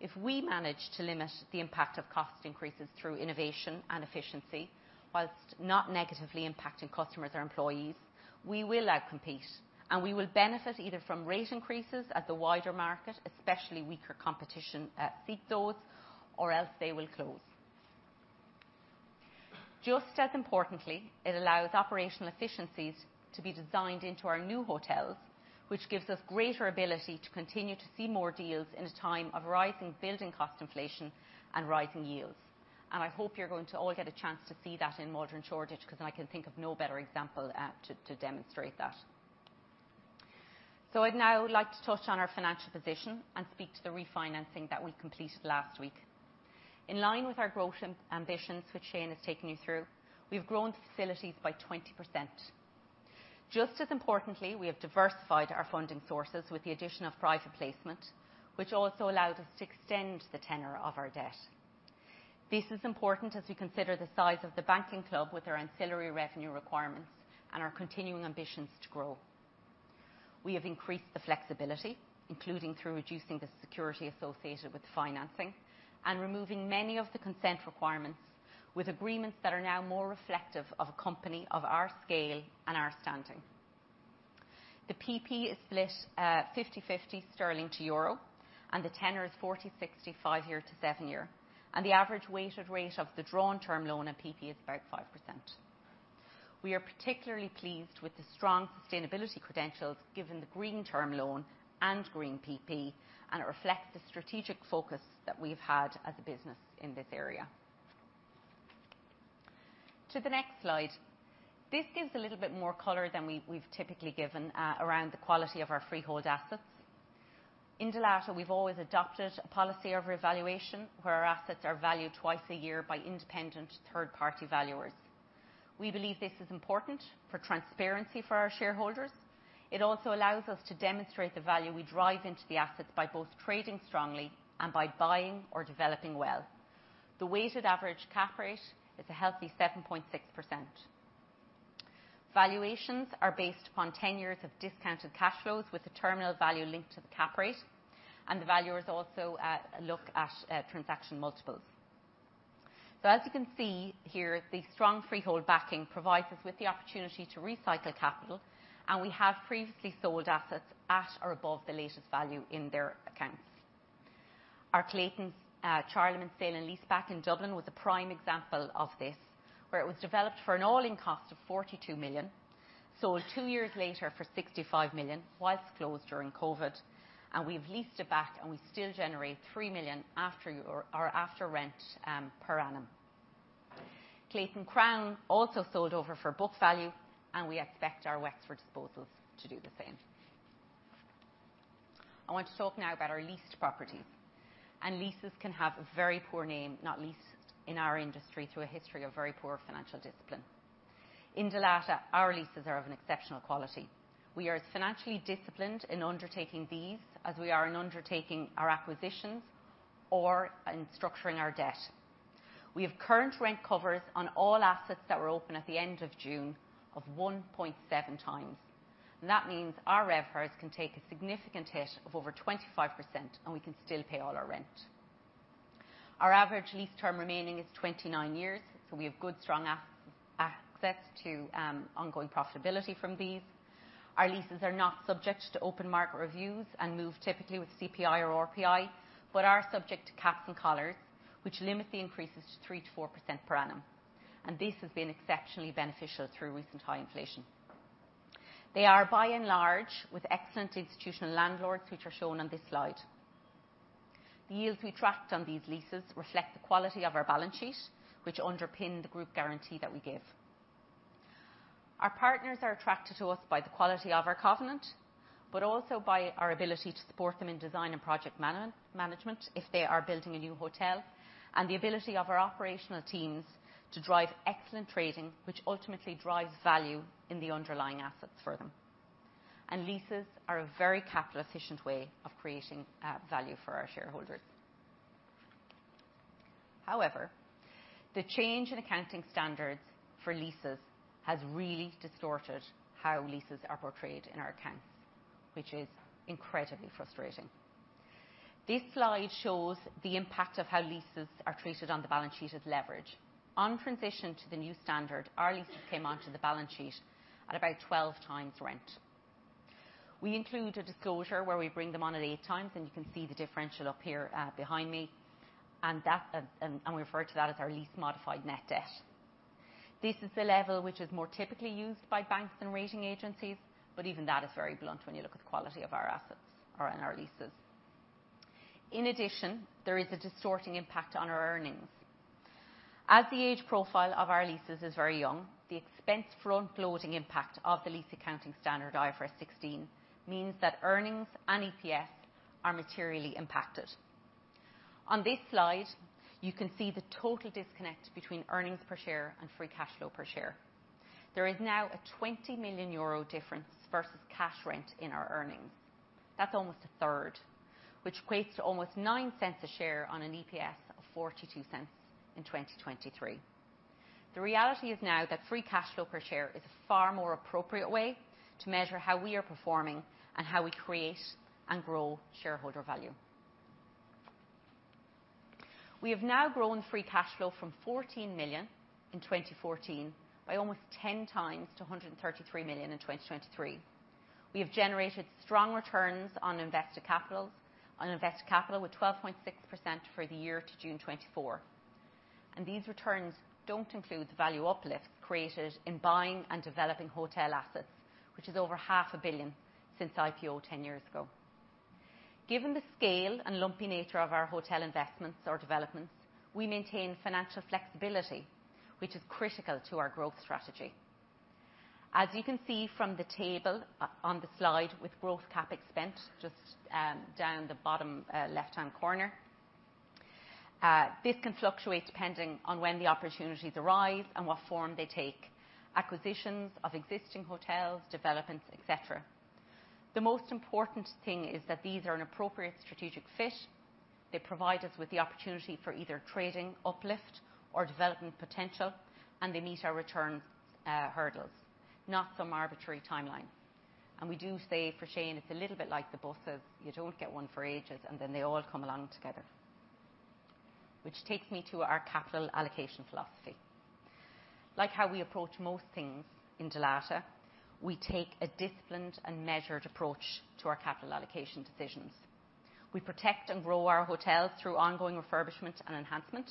If we manage to limit the impact of cost increases through innovation and efficiency, while not negatively impacting customers or employees, we will outcompete, and we will benefit either from rate increases at the wider market, especially weaker competition at three-stars, or else they will close. Just as importantly, it allows operational efficiencies to be designed into our new hotels, which gives us greater ability to continue to see more deals in a time of rising building cost inflation and rising yields, and I hope you're going to all get a chance to see that in Maldron Shoreditch, because I can think of no better example to demonstrate that. So I'd now like to touch on our financial position and speak to the refinancing that we completed last week. In line with our growth ambitions, which Shane has taken you through, we've grown the facilities by 20%. Just as importantly, we have diversified our funding sources with the addition of private placement, which also allowed us to extend the tenor of our debt. This is important as we consider the size of the banking club with our ancillary revenue requirements and our continuing ambitions to grow. We have increased the flexibility, including through reducing the security associated with financing and removing many of the consent requirements, with agreements that are now more reflective of a company of our scale and our standing. The PP is split 50/50 sterling to EUR, and the tenor is 40/60, 5-year to 7-year, and the average weighted rate of the drawn term loan on PP is about 5%. We are particularly pleased with the strong sustainability credentials, given the green term loan and green PP, and it reflects the strategic focus that we've had as a business in this area. To the next slide. This gives a little bit more color than we've typically given around the quality of our freehold assets. In Dalata, we've always adopted a policy of revaluation, where our assets are valued twice a year by independent third-party valuers. We believe this is important for transparency for our shareholders. It also allows us to demonstrate the value we drive into the assets by both trading strongly and by buying or developing well. The weighted average cap rate is a healthy 7.6%. Valuations are based upon 10 years of discounted cash flows, with the terminal value linked to the cap rate, and the valuers also look at transaction multiples. So as you can see here, the strong freehold backing provides us with the opportunity to recycle capital, and we have previously sold assets at or above the latest value in their accounts. Our Clayton Hotel Charlemont sale and leaseback in Dublin was a prime example of this, where it was developed for an all-in cost of 42 million, sold two years later for 65 million, while closed during COVID, and we've leased it back, and we still generate 3 million after rent-per-annum. Clayton Hotel Crown also sold over for book value, and we expect our Wexford disposals to do the same. I want to talk now about our leased properties. Leases can have a very poor name, not least in our industry, through a history of very poor financial discipline. In Dalata, our leases are of an exceptional quality. We are as financially disciplined in undertaking these as we are in undertaking our acquisitions or in structuring our debt. We have current rent covers on all assets that were open at the end of June of 1.7 times. That means our RevPARs can take a significant hit of over 25%, and we can still pay all our rent. Our average lease term remaining is 29 years, so we have good, strong access to ongoing profitability from these. Our leases are not subject to open market reviews and move typically with CPI or RPI, but are subject to caps and collars, which limit the increases to 3%-4% per annum, and this has been exceptionally beneficial through recent high inflation. They are, by and large, with excellent institutional landlords, which are shown on this slide. The yields we tracked on these leases reflect the quality of our balance sheet, which underpin the group guarantee that we give. Our partners are attracted to us by the quality of our covenant, but also by our ability to support them in design and project management, if they are building a new hotel, and the ability of our operational teams to drive excellent trading, which ultimately drives value in the underlying assets for them, and leases are a very capital-efficient way of creating value for our shareholders. However, the change in accounting standards for leases has really distorted how leases are portrayed in our accounts, which is incredibly frustrating. This slide shows the impact of how leases are treated on the balance sheet of leverage. On transition to the new standard, our leases came onto the balance sheet at about 12 times rent. We include a disclosure where we bring them on at eight times, and you can see the differential up here behind me, and we refer to that as our lease-modified net debt. This is the level which is more typically used by banks and rating agencies, but even that is very blunt when you look at the quality of our assets or in our leases. In addition, there is a distorting impact on our earnings. As the age profile of our leases is very young, the expense-front loading impact of the lease accounting standard, IFRS 16, means that earnings and EPS are materially impacted. On this slide, you can see the total disconnect between earnings per share and free cash flow per share. There is now a 20 million euro difference versus cash rent in our earnings. That's 1/3, which equates to almost 0.09 a share on an EPS of 0.42 in 2023. The reality is now that free cash flow per share is a far more appropriate way to measure how we are performing and how we create and grow shareholder value. We have now grown free cash flow from 14 million in 2014 by almost 10x to 133 million in 2023. We have generated strong returns on invested capitals, on invested capital with 12.6% for the year to June 2024. These returns don't include the value uplifts created in buying and developing hotel assets, which is over 500 million since IPO 10 years ago. Given the scale and lumpy nature of our hotel investments or developments, we maintain financial flexibility, which is critical to our growth strategy. As you can see from the table on the slide with growth CapEx spent, just down the bottom left-hand corner, this can fluctuate depending on when the opportunities arise and what form they take. Acquisitions of existing hotels, developments, et cetera. The most important thing is that these are an appropriate strategic fit, they provide us with the opportunity for either trading uplift or development potential, and they meet our return hurdles, not some arbitrary timeline, and we do say, for Shane, it's a little bit like the buses. You don't get one for ages, and then they all come along together, which takes me to our capital allocation philosophy. Like how we approach most things in Dalata, we take a disciplined and measured approach to our capital allocation decisions. We protect and grow our hotels through ongoing refurbishment and enhancement.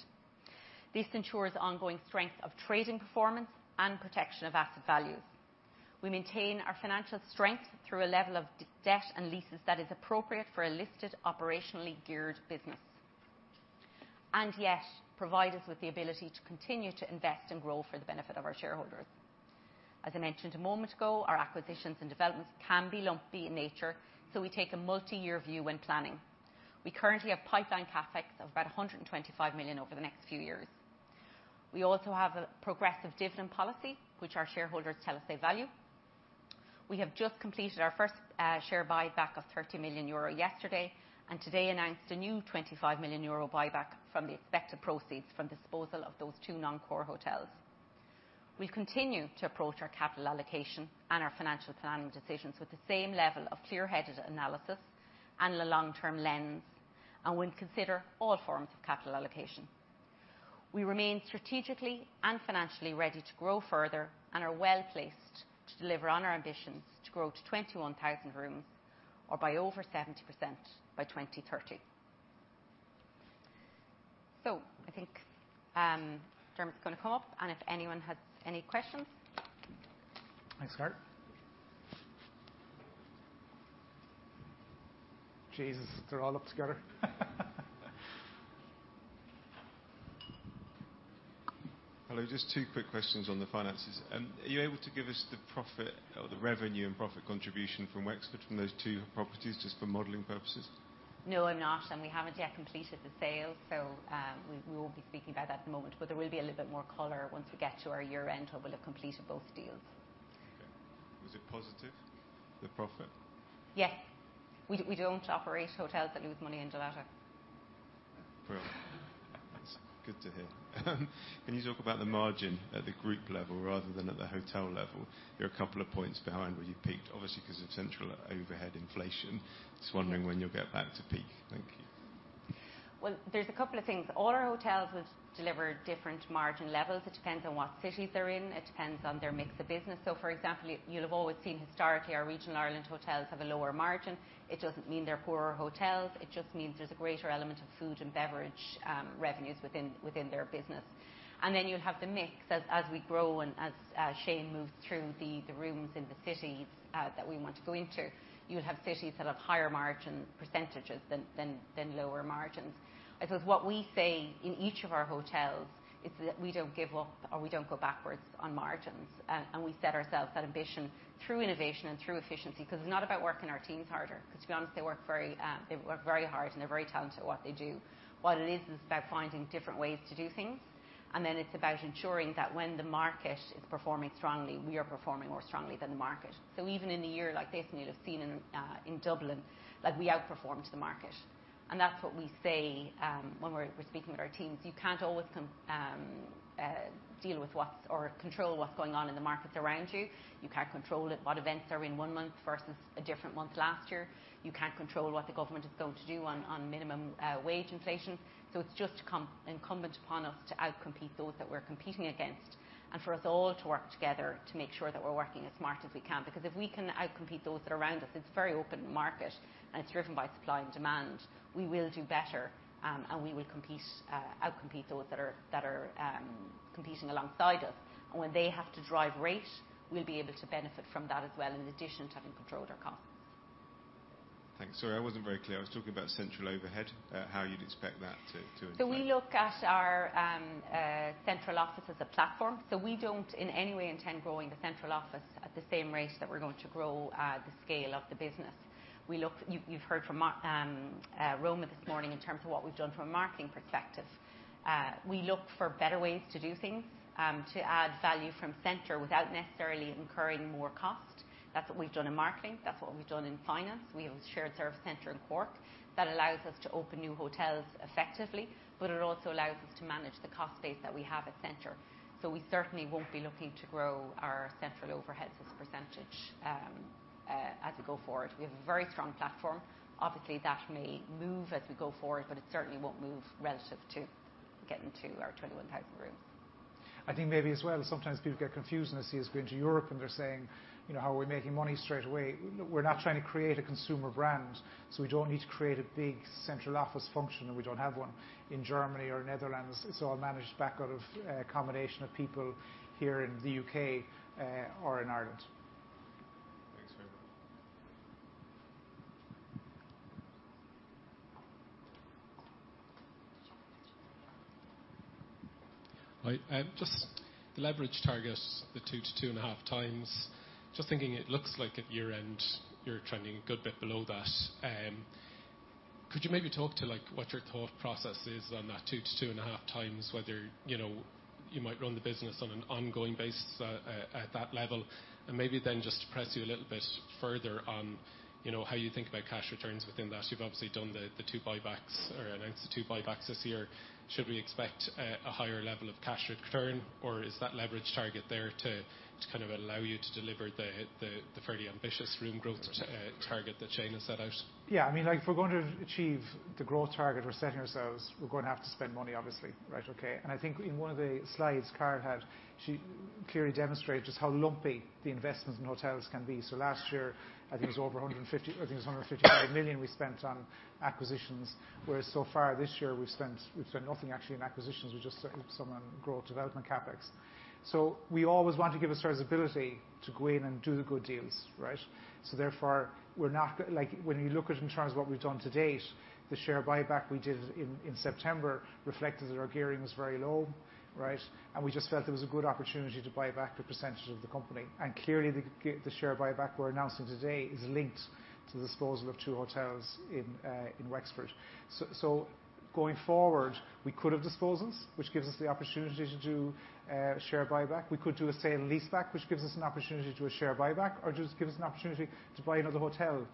This ensures ongoing strength of trading performance and protection of asset values. We maintain our financial strength through a level of debt and leases that is appropriate for a listed, operationally geared business, and yet provide us with the ability to continue to invest and grow for the benefit of our shareholders. As I mentioned a moment ago, our acquisitions and developments can be lumpy in nature, so we take a multi-year view when planning. We currently have pipeline CapEx of about 125 million over the next few years. We also have a progressive dividend policy, which our shareholders tell us they value. We have just completed our first share buyback of 30 million euro yesterday, and today announced a new 25 million euro buyback from the expected proceeds from disposal of those two non-core hotels. We continue to approach our capital allocation and our financial planning decisions with the same level of clear-headed analysis and a long-term lens, and we consider all forms of capital allocation. We remain strategically and financially ready to grow further and are well-placed to deliver on our ambitions to grow to 21,000 rooms, or by over 70% by 2030. So I think, Dermot's gonna come up, and if anyone has any questions? Thanks, Carol. Jesus, they're all up together. Hello, just two quick questions on the finances. Are you able to give us the profit or the revenue and profit contribution from Wexford, from those two properties, just for modeling purposes? No, I'm not, and we haven't yet completed the sale, so, we won't be speaking about that at the moment. But there will be a little bit more color once we get to our year-end, when we'll have completed both deals. Okay. Was it positive, the profit? Yes. We don't operate hotels that lose money in Dalata. Brilliant. That's good to hear. Can you talk about the margin at the group level rather than at the hotel level? You're a couple of points behind where you peaked, obviously, because of central overhead inflation. Just wondering when you'll get back to peak. Thank you. There's a couple of things. All our hotels will deliver different margin levels. It depends on what cities they're in. It depends on their mix of business. So, for example, you'll have always seen historically our regional Ireland hotels have a lower margin. It doesn't mean they're poorer hotels. It just means there's a greater element of food and beverage revenues within their business. And then you'll have the mix. As we grow and as Shane moves through the rooms in the cities that we want to go into, you'll have cities that have higher margin percentages than lower margins. I suppose what we say in each of our hotels is that we don't give up or we don't go backwards on margins, and we set ourselves that ambition through innovation and through efficiency. 'Cause it's not about working our teams harder, because to be honest, they work very hard, and they're very talented at what they do. What it is, is about finding different ways to do things, and then it's about ensuring that when the market is performing strongly, we are performing more strongly than the market, so even in a year like this, and you'll have seen, in Dublin, that we outperformed the market, and that's what we say when we're speaking with our teams. You can't always come deal with what's... or control what's going on in the markets around you. You can't control it, what events are in one month versus a different month last year. You can't control what the government is going to do on minimum wage inflation. So it's just incumbent upon us to outcompete those that we're competing against, and for us all to work together to make sure that we're working as smart as we can. Because if we can outcompete those that are around us, it's a very open market, and it's driven by supply and demand, we will do better, and we will outcompete those that are competing alongside us. And when they have to drive rate, we'll be able to benefit from that as well, in addition to having control of their cost.... Thanks. Sorry, I wasn't very clear. I was talking about central overhead, how you'd expect that to, We look at our central office as a platform, so we don't in any way intend growing the central office at the same rate that we're going to grow the scale of the business. You've heard from Roma this morning in terms of what we've done from a marketing perspective. We look for better ways to do things to add value from center without necessarily incurring more cost. That's what we've done in marketing. That's what we've done in finance. We have a shared service center in Cork that allows us to open new hotels effectively, but it also allows us to manage the cost base that we have at center. We certainly won't be looking to grow our central overheads as a percentage as we go forward. We have a very strong platform. Obviously, that may move as we go forward, but it certainly won't move relative to getting to our 21,000 rooms. I think maybe as well, sometimes people get confused when they see us go into Europe, and they're saying, you know, how are we making money straight away? We're not trying to create a consumer brand, so we don't need to create a big central office function, and we don't have one. In Germany or Netherlands, it's all managed back out of a combination of people here in the U.K., or in Ireland. Thanks very much. Hi. Just the leverage target, the 2 to 2.5 times. Just thinking, it looks like at year-end, you're trending a good bit below that. Could you maybe talk to, like, what your thought process is on that 2 to 2.5 times whether, you know, you might run the business on an ongoing basis, at that level? And maybe then just to press you a little bit further on, you know, how you think about cash returns within that. You've obviously done the two buybacks or announced the two buybacks this year. Should we expect a higher level of cash return, or is that leverage target there to kind of allow you to deliver the fairly ambitious room growth, target that Shane has set out? Yeah, I mean, like, if we're going to achieve the growth target we're setting ourselves, we're going to have to spend money, obviously, right? Okay, and I think in one of the slides Carol had, she clearly demonstrated just how lumpy the investments in hotels can be. So last year, I think it was over a hundred and fifty. I think it was 155 million we spent on acquisitions, whereas so far this year, we've spent nothing actually on acquisitions. We've just spent some on growth development CapEx. So we always want to give ourselves ability to go in and do the good deals, right? So therefore, we're not. Like, when you look at in terms of what we've done to date, the share buyback we did in September reflected that our gearing was very low, right? We just felt it was a good opportunity to buy back a percentage of the company, and clearly, the share buyback we're announcing today is linked to the disposal of two hotels in Wexford. So going forward, we could have disposals, which gives us the opportunity to do share buyback. We could do a sale and leaseback, which gives us an opportunity to do a share buyback or just gives us an opportunity to buy another hotel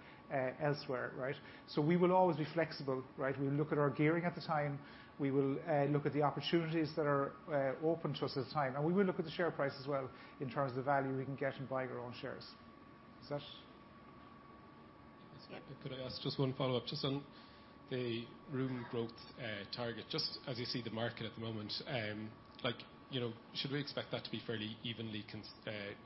elsewhere, right? So we will always be flexible, right? We'll look at our gearing at the time. We will look at the opportunities that are open to us at the time, and we will look at the share price as well in terms of the value we can get in buying our own shares. Is that? Yes. Could I ask just one follow-up? Just on the room growth target, just as you see the market at the moment, like, you know, should we expect that to be fairly evenly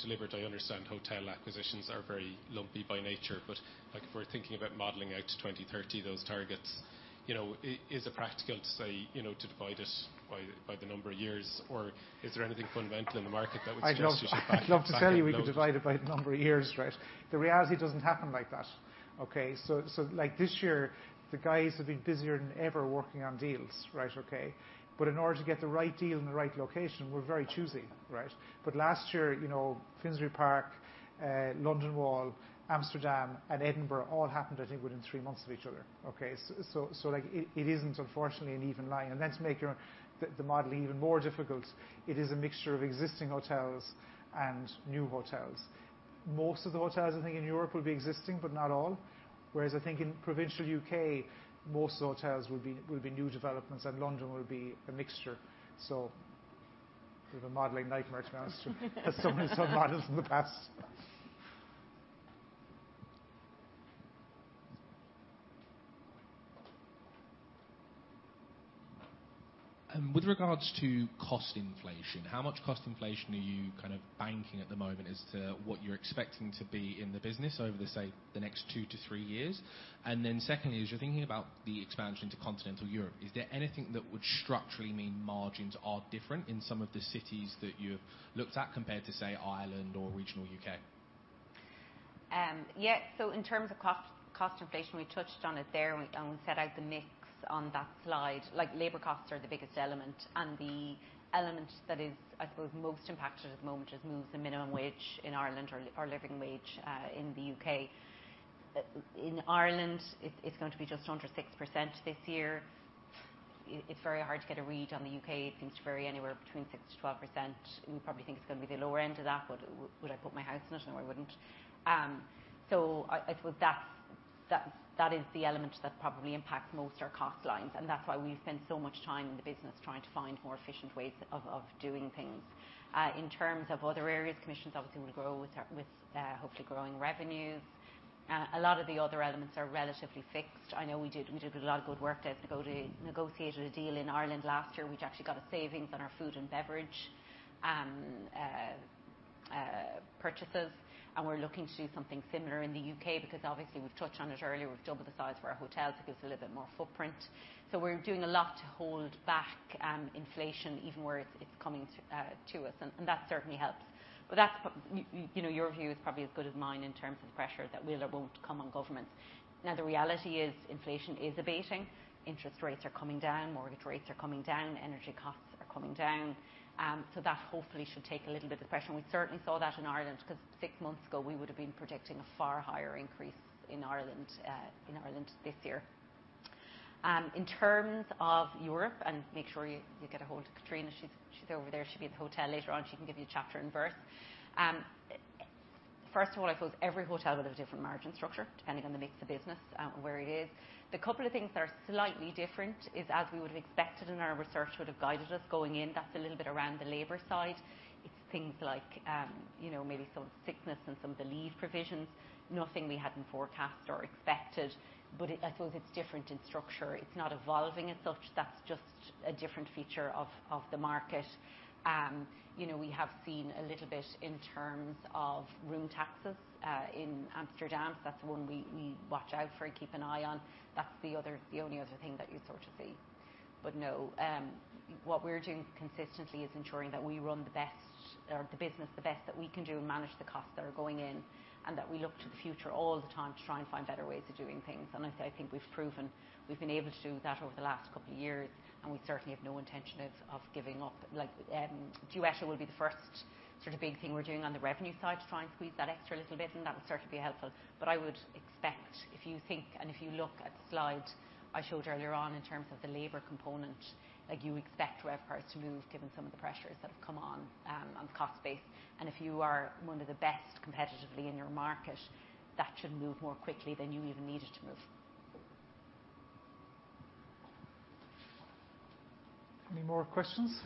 delivered? I understand hotel acquisitions are very lumpy by nature, but, like, if we're thinking about modeling out to 2030, those targets, you know, is it practical to say, you know, to divide it by the number of years, or is there anything fundamental in the market that would suggest you should back end loads? I'd love to tell you we could divide it by the number of years, right? The reality, it doesn't happen like that. Okay, so, so, like, this year, the guys have been busier than ever working on deals, right? Okay. But in order to get the right deal in the right location, we're very choosy, right? But last year, you know, Finsbury Park, London Wall, Amsterdam, and Edinburgh all happened, I think, within three months of each other. Okay, so like, it isn't unfortunately an even line, and let's make the model even more difficult. It is a mixture of existing hotels and new hotels. Most of the hotels, I think, in Europe will be existing, but not all. Whereas I think in provincial U.K., most hotels will be new developments, and London will be a mixture. A bit of a modeling nightmare to be honest, as some models in the past. With regards to cost inflation, how much cost inflation are you kind of banking at the moment as to what you're expecting to be in the business over, say, the next two-to-three years? And then secondly, as you're thinking about the expansion into continental Europe, is there anything that would structurally mean margins are different in some of the cities that you've looked at, compared to, say, Ireland or regional U.K.? Yeah, so in terms of cost, cost inflation, we touched on it there, and we set out the mix on that slide. Like, labor costs are the biggest element, and the element that is, I suppose, most impacted at the moment is moves in minimum wage in Ireland or living wage in the U.K.. In Ireland, it's going to be just under 6% this year. It's very hard to get a read on the U.K.. It seems to vary anywhere between 6% to 12%. We probably think it's going to be the lower end of that, but would I put my house on it? No, I wouldn't. So I suppose that's the element that probably impacts most our cost lines, and that's why we spend so much time in the business trying to find more efficient ways of doing things. In terms of other areas, commissions obviously will grow with our hopefully growing revenues. A lot of the other elements are relatively fixed. I know we did a lot of good work to negotiate a deal in Ireland last year, which actually got a savings on our food and beverage purchases, and we're looking to do something similar in the U.K., because obviously, we've touched on it earlier, we've doubled the size of our hotels, it gives a little bit more footprint. We're doing a lot to hold back inflation even where it's coming to us, and that certainly helps. But that's, you know, your view is probably as good as mine in terms of the pressure that will or won't come on governments. Now, the reality is, inflation is abating, interest rates are coming down, mortgage rates are coming down, energy costs are coming down. So that hopefully should take a little bit of the pressure. We certainly saw that in Ireland, 'cause six months ago, we would've been predicting a far higher increase in Ireland this year. In terms of Europe, and make sure you get a hold of Katrina, she's over there. She'll be at the hotel later on, she can give you a chapter and verse. First of all, I suppose every hotel will have a different margin structure, depending on the mix of business, and where it is. The couple of things that are slightly different is, as we would've expected and our research would've guided us going in, that's a little bit around the labor side. It's things like, you know, maybe some sickness and some of the leave provisions. Nothing we hadn't forecast or expected, but I suppose it's different in structure. It's not evolving as such, that's just a different feature of the market. You know, we have seen a little bit in terms of room taxes in Amsterdam, so that's one we watch out for and keep an eye on. That's the other, the only other thing that you'd sort of see. But no, what we're doing consistently is ensuring that we run the best or the business the best that we can do and manage the costs that are going in, and that we look to the future all the time to try and find better ways of doing things. And I think we've proven we've been able to do that over the last couple of years, and we certainly have no intention of giving up. Like, Duetto will be the first sort of big thing we're doing on the revenue side to try and squeeze that extra little bit, and that will certainly be helpful. But I would expect, if you think, and if you look at the slide I showed earlier on in terms of the labor component, like, you would expect RevPAR to move given some of the pressures that have come on the cost base. And if you are one of the best competitively in your market, that should move more quickly than you even need it to move. Any more questions?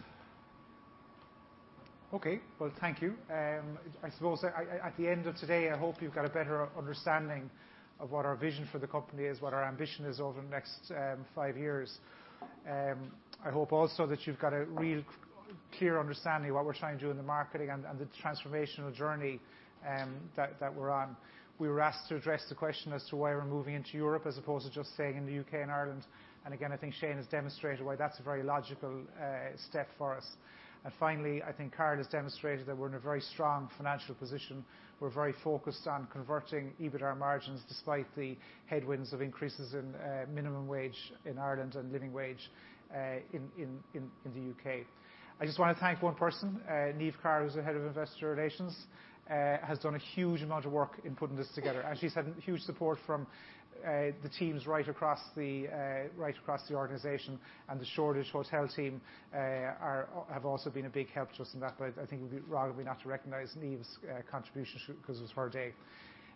Okay, well, thank you. I suppose at the end of today, I hope you've got a better understanding of what our vision for the company is, what our ambition is over the next five years. I hope also that you've got a real clear understanding of what we're trying to do in the marketing and the transformational journey that we're on. We were asked to address the question as to why we're moving into Europe as opposed to just staying in the U.K. and Ireland, and again, I think Shane has demonstrated why that's a very logical step for us. And finally, I think Carol has demonstrated that we're in a very strong financial position. We're very focused on converting EBITDA margins, despite the headwinds of increases in minimum wage in Ireland and living wage in the U.K.. I just wanna thank one person, Niamh Carr, who's the head of investor relations, has done a huge amount of work in putting this together, and she's had huge support from the teams right across the organization, and the Shoreditch Hotel team have also been a big help to us in that, but I think it would be wrong of me not to recognize Niamh's contribution, 'cause it was her day.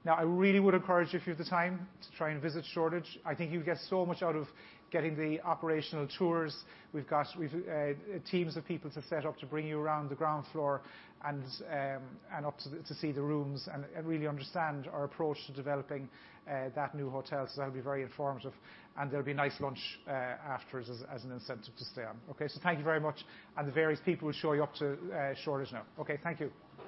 Now, I really would encourage you, if you have the time, to try and visit Shoreditch. I think you'd get so much out of getting the operational tours. We've got teams of people set up to bring you around the ground floor and up to see the rooms and really understand our approach to developing that new hotel, so that'll be very informative, and there'll be a nice lunch afterwards as an incentive to stay on. Okay, so thank you very much, and the various people will show you up to Shoreditch now. Okay, thank you.